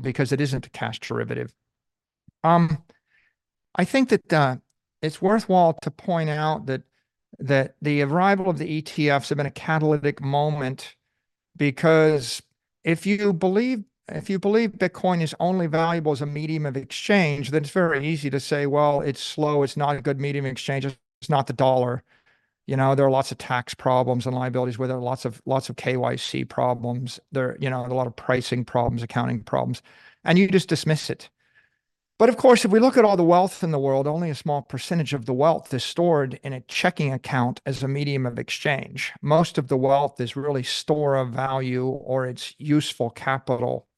because it isn't a cash derivative. I think that it's worthwhile to point out that the arrival of the ETFs has been a catalytic moment, because if you believe Bitcoin is only valuable as a medium of exchange, then it's very easy to say, "Well, it's slow, it's not a good medium of exchange, it's not the dollar." You know, there are lots of tax problems and liabilities, where there are lots of KYC problems. There, you know, and a lot of pricing problems, accounting problems, and you can just dismiss it. But of course, if we look at all the wealth in the world, only a small percentage of the wealth is stored in a checking account as a medium of exchange. Most of the wealth is really store of value or it's useful capital.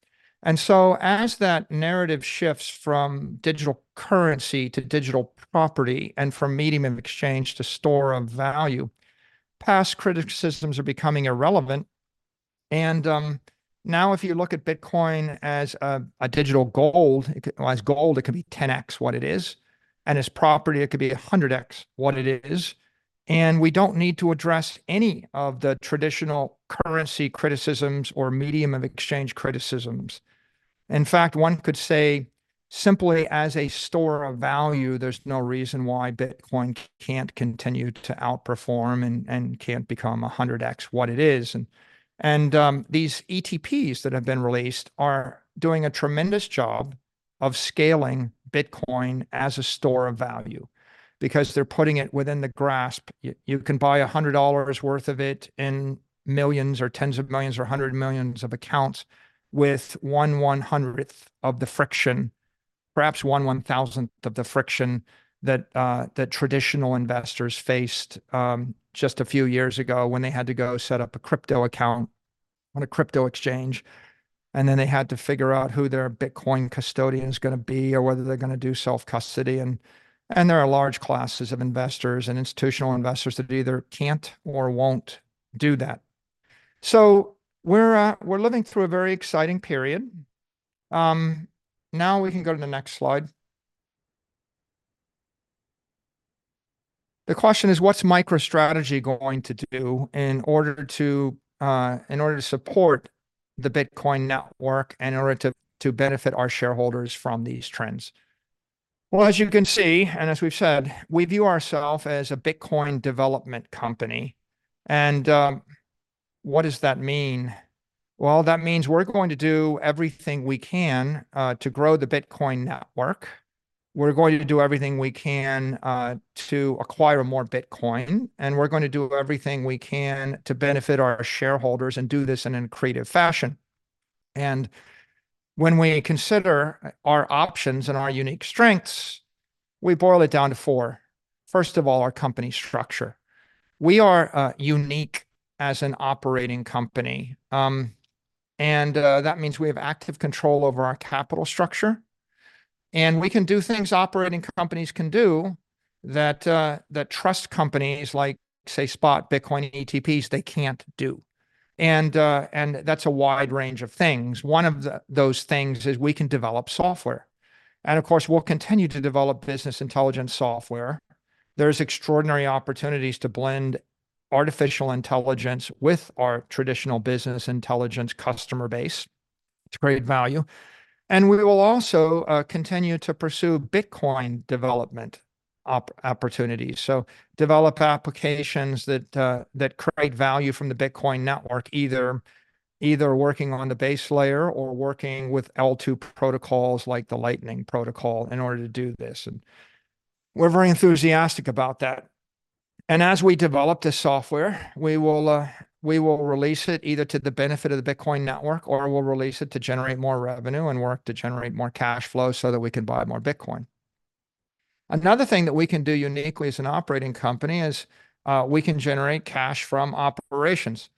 And so as that narrative shifts from digital currency to digital property, and from medium of exchange to store of value, past critical systems are becoming irrelevant. And now if you look at Bitcoin as a digital gold, it as gold, it could be 10x what it is, and as property, it could be 100x what it is. And we don't need to address any of the traditional currency criticisms or medium-of-exchange criticisms. In fact, one could say, simply as a store of value, there's no reason why Bitcoin can't continue to outperform and can't become a 100x what it is. These ETPs that have been released are doing a tremendous job of scaling Bitcoin as a store of value, because they're putting it within the grasp. You can buy $100 worth of it in millions or tens of millions or hundreds of millions of accounts with 1/100th of the friction, perhaps 1/1000th of the friction that traditional investors faced just a few years ago when they had to go set up a crypto account on a crypto exchange. And then they had to figure out who their Bitcoin custodian is going to be, or whether they're going to do self-custody. There are large classes of investors and institutional investors that either can't or won't do that. So we're living through a very exciting period. Now we can go to the next slide. The question is: What's MicroStrategy going to do in order to support the Bitcoin network, in order to benefit our shareholders from these trends? Well, as you can see, and as we've said, we view ourselves as a Bitcoin Development Company. What does that mean? Well, that means we're going to do everything we can to grow the Bitcoin network. We're going to do everything we can to acquire more Bitcoin, and we're going to do everything we can to benefit our shareholders and do this in a creative fashion. When we consider our options and our unique strengths, we boil it down to four. First of all, our company structure. We are unique as an operating company. That means we have active control over our capital structure, and we can do things operating companies can do that trust companies like, spot Bitcoin ETPs, they can't do. And that's a wide range of things. One of those things is we can develop software, and of course, we'll continue to develop business intelligence software. There's extraordinary opportunities to blend artificial intelligence with our traditional business intelligence customer base to create value, and we will also continue to pursue Bitcoin development opportunities. So develop applications that create value from the Bitcoin network, either working on the base layer or working with L2 protocols like the Lightning protocol, in order to do this, and we're very enthusiastic about that. And as we develop this software, we will release it either to the benefit of the Bitcoin network, or we'll release it to generate more revenue and work to generate more cash flow, so that we can buy more Bitcoin. Another thing that we can do uniquely as an operating company is, we can generate cash from operations.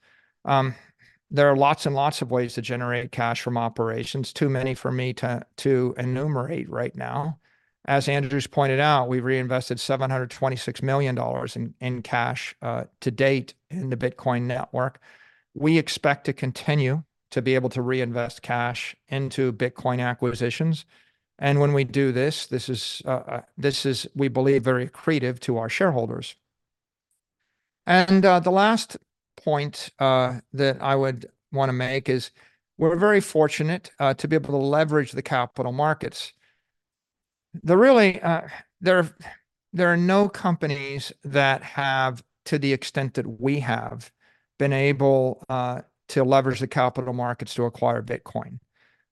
There are lots and lots of ways to generate cash from operations, too many for me to enumerate right now. As Andrew's pointed out, we've reinvested $726 million in cash to date in the Bitcoin network. We expect to continue to be able to reinvest cash into Bitcoin acquisitions, and when we do this, this is, we believe, very accretive to our shareholders. And, the last point that I would want to make is, we're very fortunate to be able to leverage the capital markets. There really, there are no companies that have, to the extent that we have, been able to leverage the capital markets to acquire Bitcoin.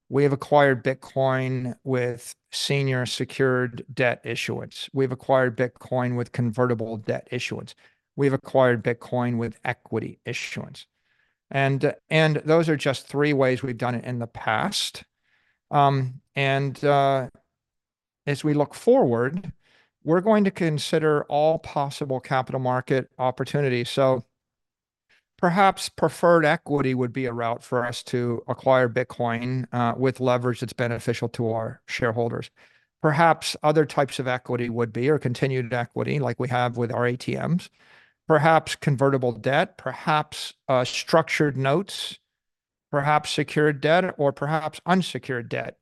We have acquired Bitcoin with senior secured debt issuance. We've acquired Bitcoin with convertible debt issuance. We've acquired Bitcoin with equity issuance. And, those are just three ways we've done it in the past. And, as we look forward, we're going to consider all possible capital market opportunities. So perhaps preferred equity would be a route for us to acquire Bitcoin with leverage that's beneficial to our shareholders. Perhaps other types of equity would be, or continued equity, like we have with our ATMs. Perhaps convertible debt, perhaps structured notes, perhaps secured debt, or perhaps unsecured debt.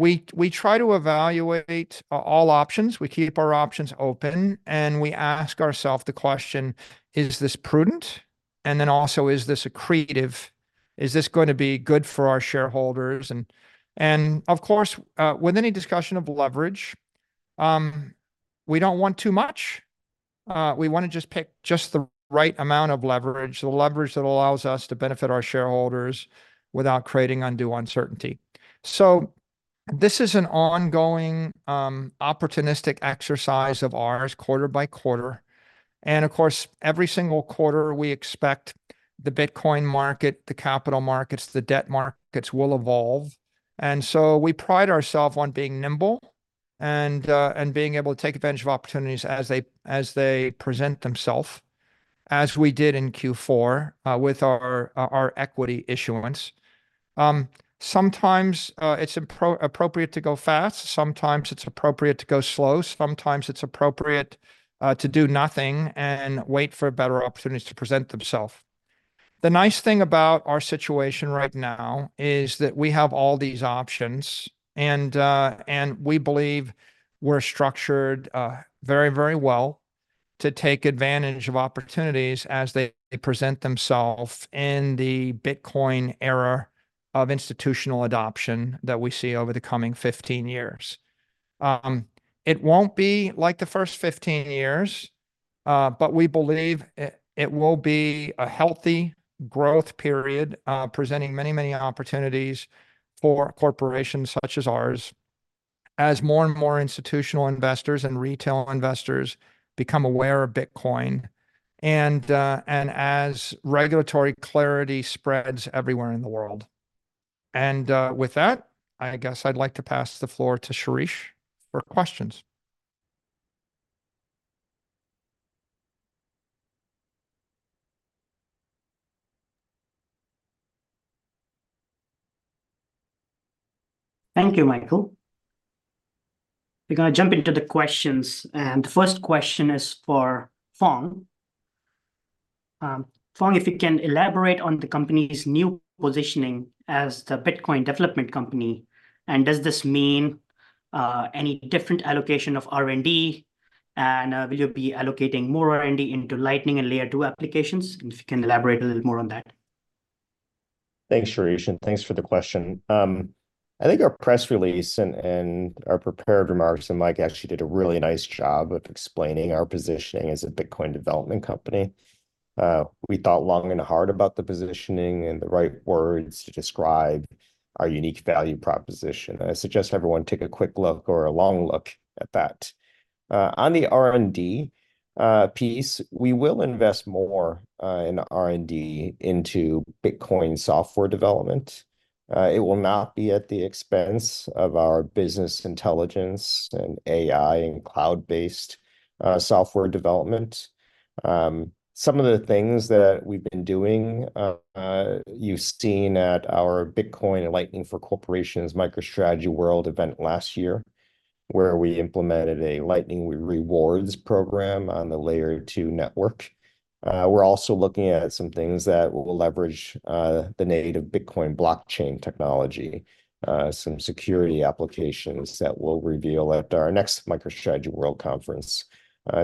We try to evaluate all options. We keep our options open, and we ask ourselves the question, "Is this prudent?" And then also, "Is this accretive? Is this going to be good for our shareholders?" And of course, with any discussion of leverage, we don't want too much. We wanna just pick just the right amount of leverage, the leverage that allows us to benefit our shareholders without creating undue uncertainty. So this is an ongoing opportunistic exercise of ours, quarter by quarter. Of course, every single quarter, we expect the Bitcoin market, the capital markets, the debt markets will evolve. And so we pride ourselves on being nimble and being able to take advantage of opportunities as they present themselves, as we did in Q4 with our equity issuance. Sometimes it's appropriate to go fast, sometimes it's appropriate to go slow, sometimes it's appropriate to do nothing and wait for better opportunities to present themselves. The nice thing about our situation right now is that we have all these options, and we believe we're structured very, very well to take advantage of opportunities as they present themselves in the Bitcoin era of institutional adoption that we see over the coming 15 years. It won't be like the first 15 years, but we believe it will be a healthy growth period, presenting many, many opportunities for corporations such as ours, as more and more institutional investors and retail investors become aware of Bitcoin, and as regulatory clarity spreads everywhere in the world. With that, I guess I'd like to pass the floor to Shirish for questions. Thank you, Michael. We're gonna jump into the questions, and the first question is for Phong. Phong, if you can elaborate on the company's new positioning as the Bitcoin Development Company, and does this mean any different allocation of R&D? And, will you be allocating more R&D into Lightning and Layer 2 applications? And if you can elaborate a little more on that. Thanks, Shirish, and thanks for the question. I think our press release and our prepared remarks, and Mike actually did a really nice job of explaining our positioning as a Bitcoin Development Company. We thought long and hard about the positioning and the right words to describe our unique value proposition. I suggest everyone take a quick look or a long look at that. On the R&D piece, we will invest more in R&D into Bitcoin software development. It will not be at the expense of our business intelligence, and AI, and cloud-based software development. Some of the things that we've been doing, you've seen at our Bitcoin and Lightning for Corporations MicroStrategy World event last year, where we implemented a Lightning rewards program on the Layer 2 network. We're also looking at some things that will leverage the native Bitcoin blockchain technology, some security applications that we'll reveal at our next MicroStrategy World Conference.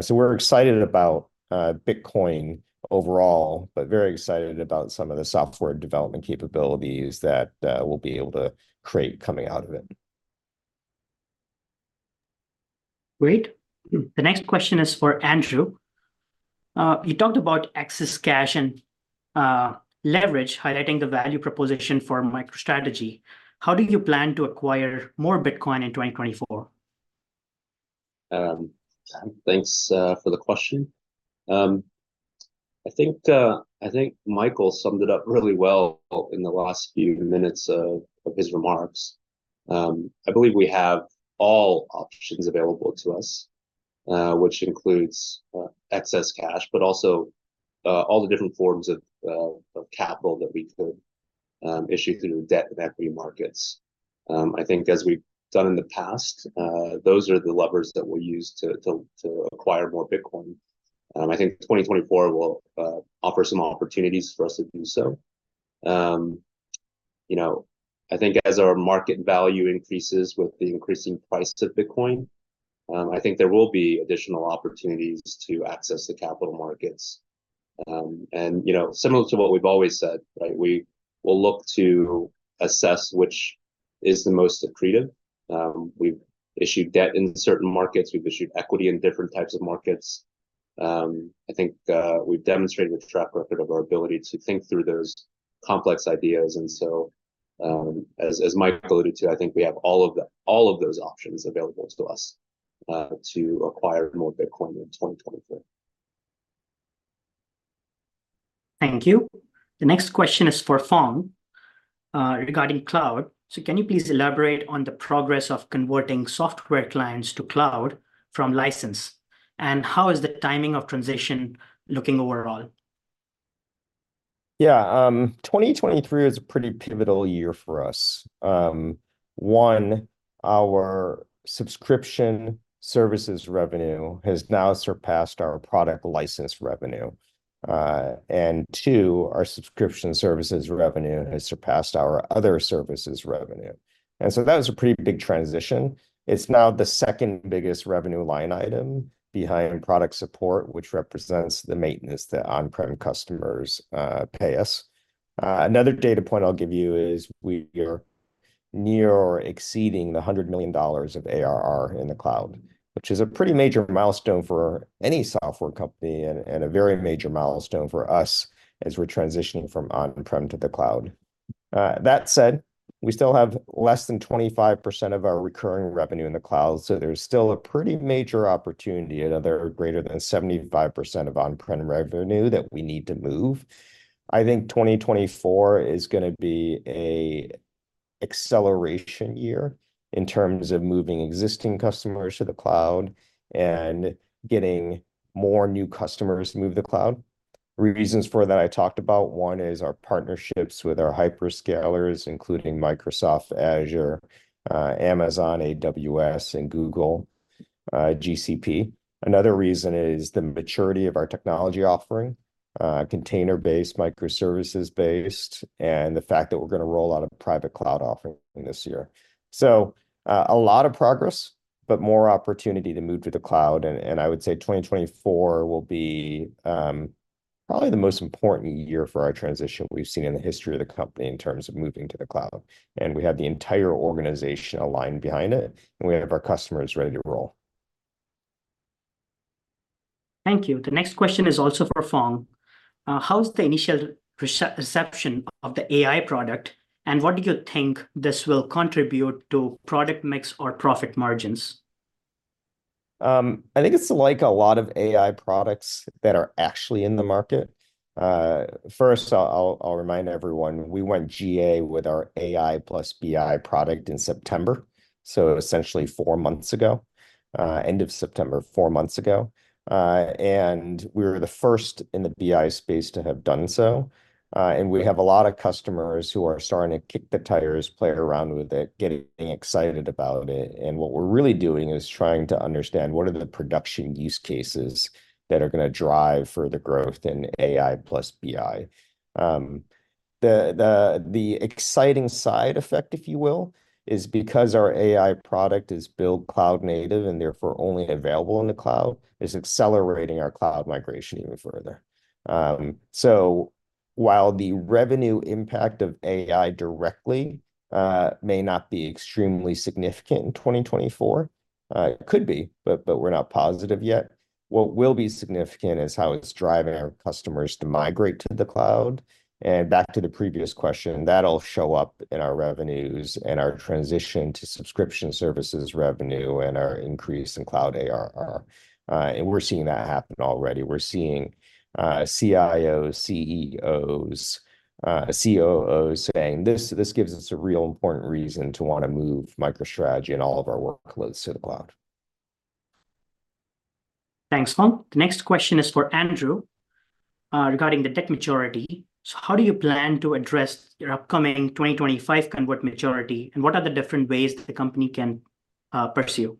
So we're excited about Bitcoin overall, but very excited about some of the software development capabilities that we'll be able to create coming out of it. Great. The next question is for Andrew. You talked about excess cash and leverage, highlighting the value proposition for MicroStrategy. How do you plan to acquire more Bitcoin in 2024? Thanks for the question. I think Michael summed it up really well in the last few minutes of his remarks. I believe we have all options available to us, which includes excess cash, but also all the different forms of capital that we could issue through debt and equity markets. I think as we've done in the past, those are the levers that we'll use to acquire more Bitcoin. I think 2024 will offer some opportunities for us to do so. You know, I think as our market value increases with the increasing price of Bitcoin, I think there will be additional opportunities to access the capital markets. You know, similar to what we've always said, right, we will look to assess which is the most accretive. We've issued debt in certain markets, we've issued equity in different types of markets. I think we've demonstrated the track record of our ability to think through those complex ideas, and so, as Mike alluded to, I think we have all of those options available to us to acquire more Bitcoin in 2024. Thank you. The next question is for Phong, regarding cloud. So can you please elaborate on the progress of converting software clients to cloud from license, and how is the timing of transition looking overall? Yeah, 2023 is a pretty pivotal year for us. One, our subscription services revenue has now surpassed our product license revenue. And two, our subscription services revenue has surpassed our other services revenue, and so that is a pretty big transition. It's now the second biggest revenue line item behind product support, which represents the maintenance that on-prem customers pay us. Another data point I'll give you is we're near or exceeding $100 million of ARR in the cloud, which is a pretty major milestone for any software company, and a very major milestone for us as we're transitioning from on-prem to the cloud. That said, we still have less than 25% of our recurring revenue in the cloud, so there's still a pretty major opportunity, another greater than 75% of on-prem revenue that we need to move. I think 2024 is gonna be a acceleration year in terms of moving existing customers to the cloud and getting more new customers move to the cloud. Reasons for that I talked about, one is our partnerships with our hyperscalers, including Microsoft Azure, Amazon AWS, and Google, GCP. Another reason is the maturity of our technology offering, container-based, microservices-based, and the fact that we're gonna roll out a private cloud offering this year. So, a lot of progress, but more opportunity to move to the cloud, and, and I would say 2024 will be, probably the most important year for our transition we've seen in the history of the company in terms of moving to the cloud, and we have the entire organization aligned behind it, and we have our customers ready to roll. Thank you. The next question is also for Phong. How's the initial perception of the AI product, and what do you think this will contribute to product mix or profit margins? I think it's like a lot of AI products that are actually in the market. First, I'll remind everyone, we went GA with our AI + BI product in September, so essentially four months ago. End of September, four months ago. We were the first in the BI space to have done so, and we have a lot of customers who are starting to kick the tires, play around with it, getting excited about it. What we're really doing is trying to understand what are the production use cases that are gonna drive further growth in AI + BI. The exciting side effect, if you will, is because our AI product is built cloud-native and therefore only available in the cloud, it's accelerating our cloud migration even further. So while the revenue impact of AI directly may not be extremely significant in 2024, it could be, but we're not positive yet. What will be significant is how it's driving our customers to migrate to the cloud, and back to the previous question, that'll show up in our revenues and our transition to subscription services revenue and our increase in cloud ARR. And we're seeing that happen already. We're seeing CIOs, CEOs, COOs saying, "This, this gives us a real important reason to wanna move MicroStrategy and all of our workloads to the cloud." Thanks, Phong. The next question is for Andrew, regarding the debt maturity. So how do you plan to address your upcoming 2025 convertible maturity, and what are the different ways that the company can pursue?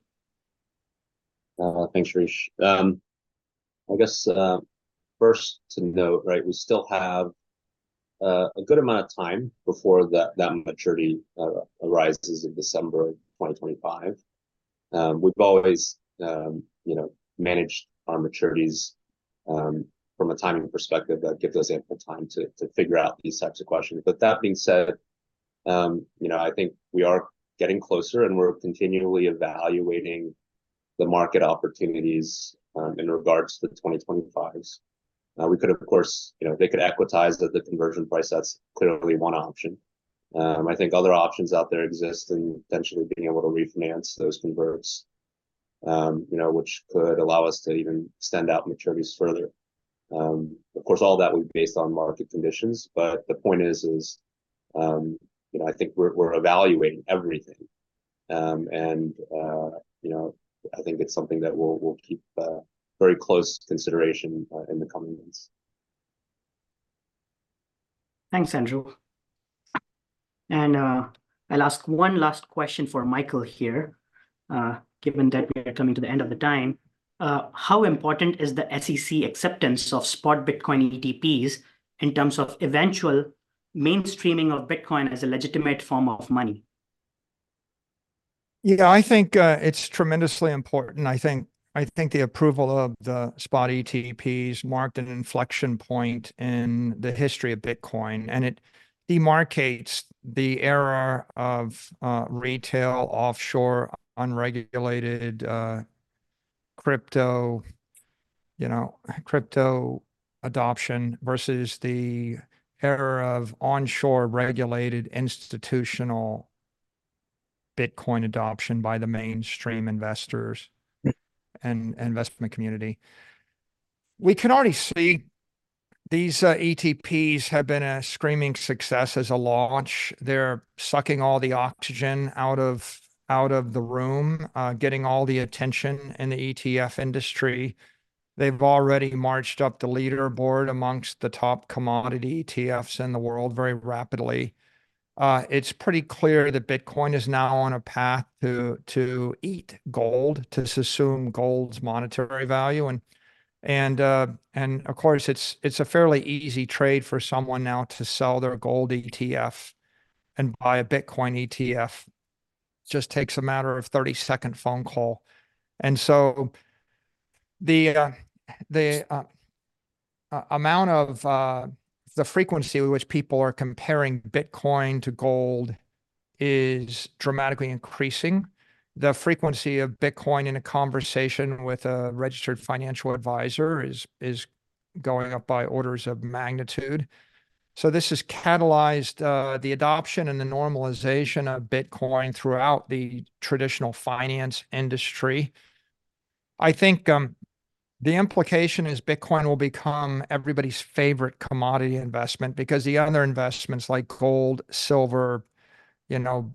Thanks, Shirish. I guess, first to note, right, we still have a good amount of time before that maturity arises in December 2025. We've always, you know, managed our maturities from a timing perspective that gives us ample time to figure out these types of questions. But that being said, you know, I think we are getting closer, and we're continually evaluating the market opportunities in regards to the 2025s. We could, of course, you know, they could equitize the conversion price. That's clearly one option. I think other options out there exist in potentially being able to refinance those converts, you know, which could allow us to even extend out maturities further. Of course, all that would be based on market conditions, but the point is, you know, I think we're evaluating everything. And, you know, I think it's something that we'll keep very close consideration in the coming months. Thanks, Andrew. I'll ask one last question for Michael here, given that we are coming to the end of the time. How important is the SEC acceptance spot Bitcoin ETPs in terms of eventual mainstreaming of Bitcoin as a legitimate form of money? Yeah, I think, it's tremendously important. I think the approval of the spot ETPs marked an inflection point in the history of Bitcoin, and it demarcates the era of retail, offshore, unregulated, you know, crypto adoption versus the era of onshore regulated institutional Bitcoin adoption by the mainstream investors and investment community. We can already see these ETPs have been a screaming success as a launch. They're sucking all the oxygen out of the room, getting all the attention in the ETF industry. They've already marched up the leaderboard amongst the top commodity ETFs in the world very rapidly. It's pretty clear that Bitcoin is now on a path to eat gold, to assume gold's monetary value. And of course, it's a fairly easy trade for someone now to sell their gold ETF and buy a Bitcoin ETF. Just takes a matter of a 30-second phone call. And so the amount of the frequency with which people are comparing Bitcoin to gold is dramatically increasing. The frequency of Bitcoin in a conversation with a registered financial advisor is going up by orders of magnitude. So this has catalyzed the adoption and the normalization of Bitcoin throughout the traditional finance industry. I think the implication is Bitcoin will become everybody's favorite commodity investment, because the other investments, like gold, silver, you know,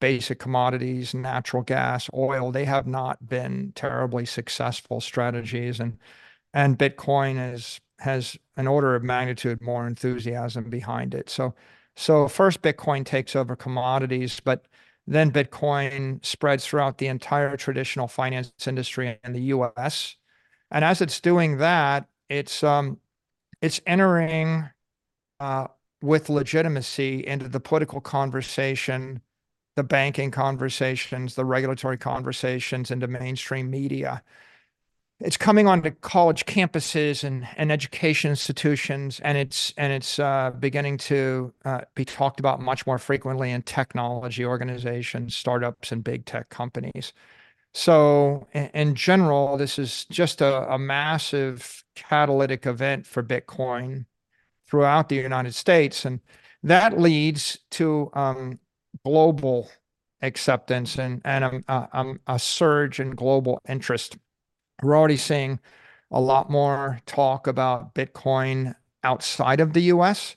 basic commodities, natural gas, oil, they have not been terribly successful strategies, and Bitcoin has an order of magnitude more enthusiasm behind it. So first Bitcoin takes over commodities, but then Bitcoin spreads throughout the entire traditional finance industry in the U.S. And as it's doing that, it's entering with legitimacy into the political conversation, the banking conversations, the regulatory conversations, into mainstream media. It's coming onto college campuses and education institutions, and it's beginning to be talked about much more frequently in technology organizations, startups, and Big Tech companies. So in general, this is just a massive catalytic event for Bitcoin throughout the United States, and that leads to global acceptance and a surge in global interest. We're already seeing a lot more talk about Bitcoin outside of the U.S.,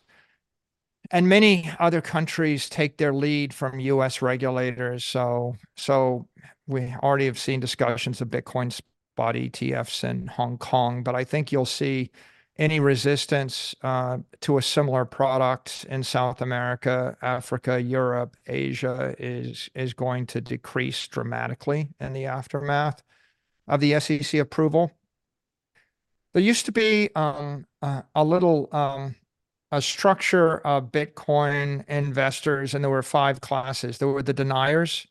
and many other countries take their lead from U.S. regulators. So we already have seen discussions of Bitcoin spot ETFs in Hong Kong. But I think you'll see any resistance to a similar product in South America, Africa, Europe, Asia, is going to decrease dramatically in the aftermath of the SEC approval. There used to be a little, a structure of Bitcoin investors, and there were five classes. There were the deniers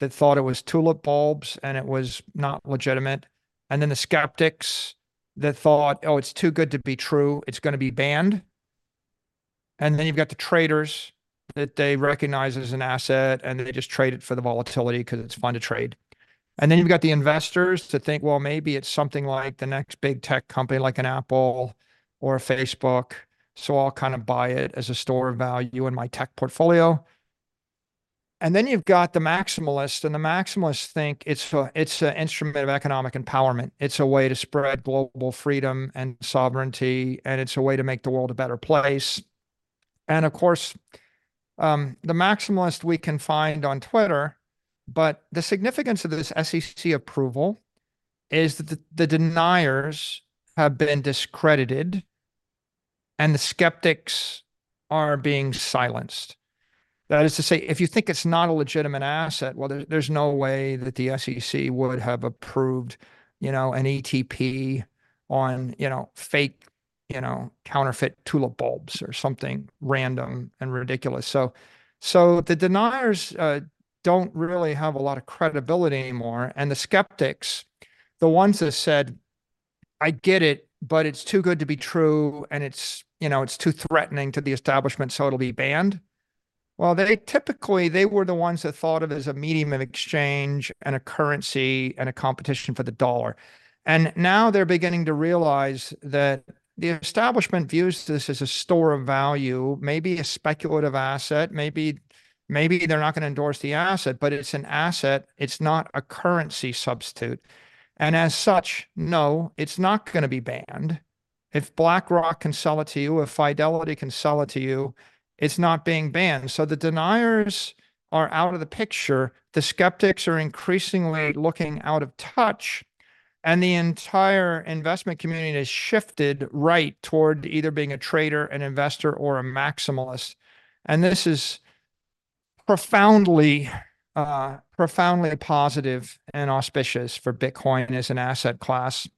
that thought it was tulip bulbs, and it was not legitimate. And then the skeptics that thought, "Oh, it's too good to be true, it's gonna be banned." And then you've got the traders that they recognize it as an asset, and they just trade it for the volatility 'cause it's fun to trade. And then you've got the investors that think, "Well, maybe it's something like the next Big Tech company, like an Apple or a Facebook, so I'll kind of buy it as a store of value in my tech portfolio." And then you've got the maximalists, and the maximalists think it's for- it's an instrument of economic empowerment. It's a way to spread global freedom and sovereignty, and it's a way to make the world a better place. And of course, the maximalists we can find on Twitter. But the significance of this SEC approval is that the deniers have been discredited and the skeptics are being silenced. That is to say, if you think it's not a legitimate asset, well, there's no way that the SEC would have approved, you know, an ETP on, you know, fake, you know, counterfeit tulip bulbs or something random and ridiculous. So the deniers don't really have a lot of credibility anymore, and the skeptics, the ones that said, "I get it, but it's too good to be true, and it's, you know, it's too threatening to the establishment, so it'll be banned," well, they were the ones that thought of it as a medium of exchange, and a currency, and a competition for the dollar. And now they're beginning to realize that the establishment views this as a store of value, maybe a speculative asset, maybe, maybe they're not gonna endorse the asset, but it's an asset, it's not a currency substitute, and as such, no, it's not gonna be banned. If BlackRock can sell it to you, if Fidelity can sell it to you, it's not being banned. So the deniers are out of the picture. The skeptics are increasingly looking out of touch, and the entire investment community has shifted right toward either being a trader, an investor, or a maximalist. And this is profoundly, profoundly positive and auspicious for Bitcoin as an asset class.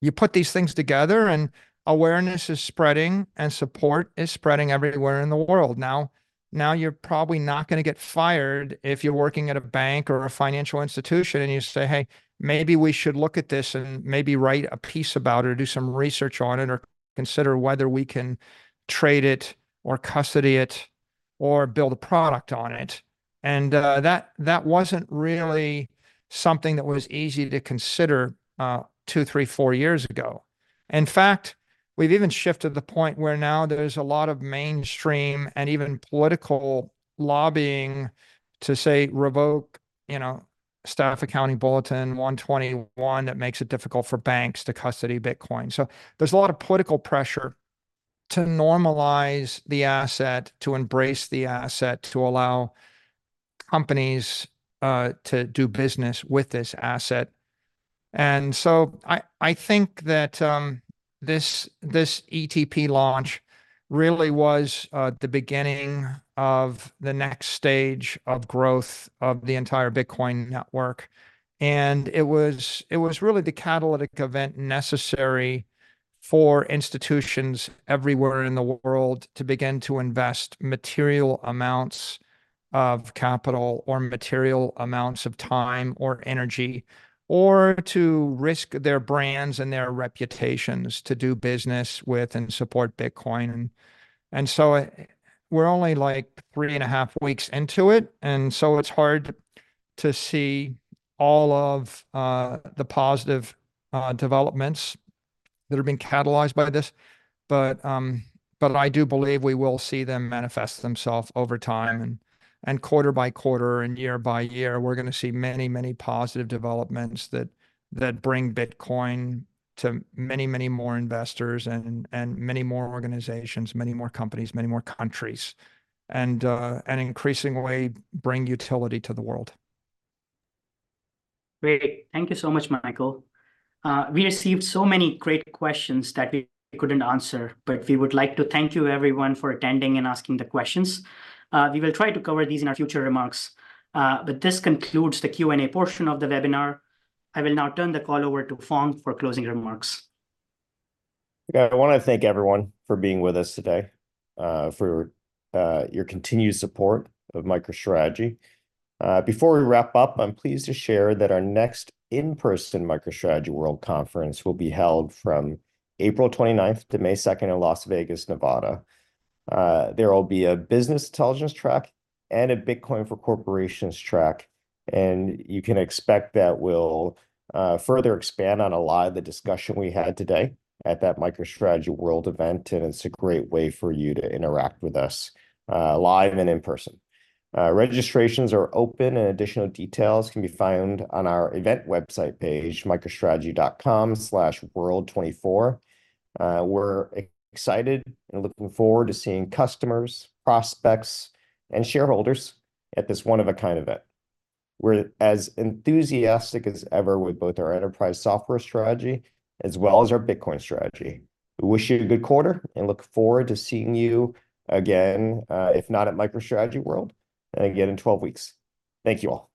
You put these things together, and awareness is spreading, and support is spreading everywhere in the world. Now, now you're probably not gonna get fired if you're working at a bank or a financial institution, and you say, "Hey, maybe we should look at this and maybe write a piece about it, or do some research on it, or consider whether we can trade it or custody it or build a product on it." And, that, that wasn't really something that was easy to consider two, three, four years ago. In fact, we've even shifted to the point where now there's a lot of mainstream and even political lobbying to say, "Revoke, you know, Staff Accounting Bulletin 121 that makes it difficult for banks to custody Bitcoin." So there's a lot of political pressure to normalize the asset, to embrace the asset, to allow companies to do business with this asset. I think that this ETP launch really was the beginning of the next stage of growth of the entire Bitcoin network. It was really the catalytic event necessary for institutions everywhere in the world to begin to invest material amounts of capital or material amounts of time or energy, or to risk their brands and their reputations to do business with and support Bitcoin. And so, we're only, like, three and a half weeks into it, and so it's hard to see all of the positive developments that have been catalyzed by this. But I do believe we will see them manifest themselves over time. Quarter by quarter and year by year, we're gonna see many, many positive developments that bring Bitcoin to many, many more investors and many more organizations, many more companies, many more countries, and in increasing way, bring utility to the world. Great. Thank you so much, Michael. We received so many great questions that we couldn't answer, but we would like to thank you everyone for attending and asking the questions. We will try to cover these in our future remarks. But this concludes the Q&A portion of the webinar. I will now turn the call over to Phong for closing remarks. Yeah, I wanna thank everyone for being with us today, for your continued support of MicroStrategy. Before we wrap up, I'm pleased to share that our next in-person MicroStrategy World Conference will be held from April 29th to May 2nd in Las Vegas, Nevada. There will be a business intelligence track and a Bitcoin for Corporations track, and you can expect that we'll further expand on a lot of the discussion we had today at that MicroStrategy World event, and it's a great way for you to interact with us, live and in person. Registrations are open, and additional details can be found on our event website page, microstrategy.com/world24. We're excited and looking forward to seeing customers, prospects, and shareholders at this one-of-a-kind event. We're as enthusiastic as ever with both our enterprise software strategy, as well as our Bitcoin strategy. We wish you a good quarter and look forward to seeing you again, if not at MicroStrategy World, then again in 12 weeks. Thank you all!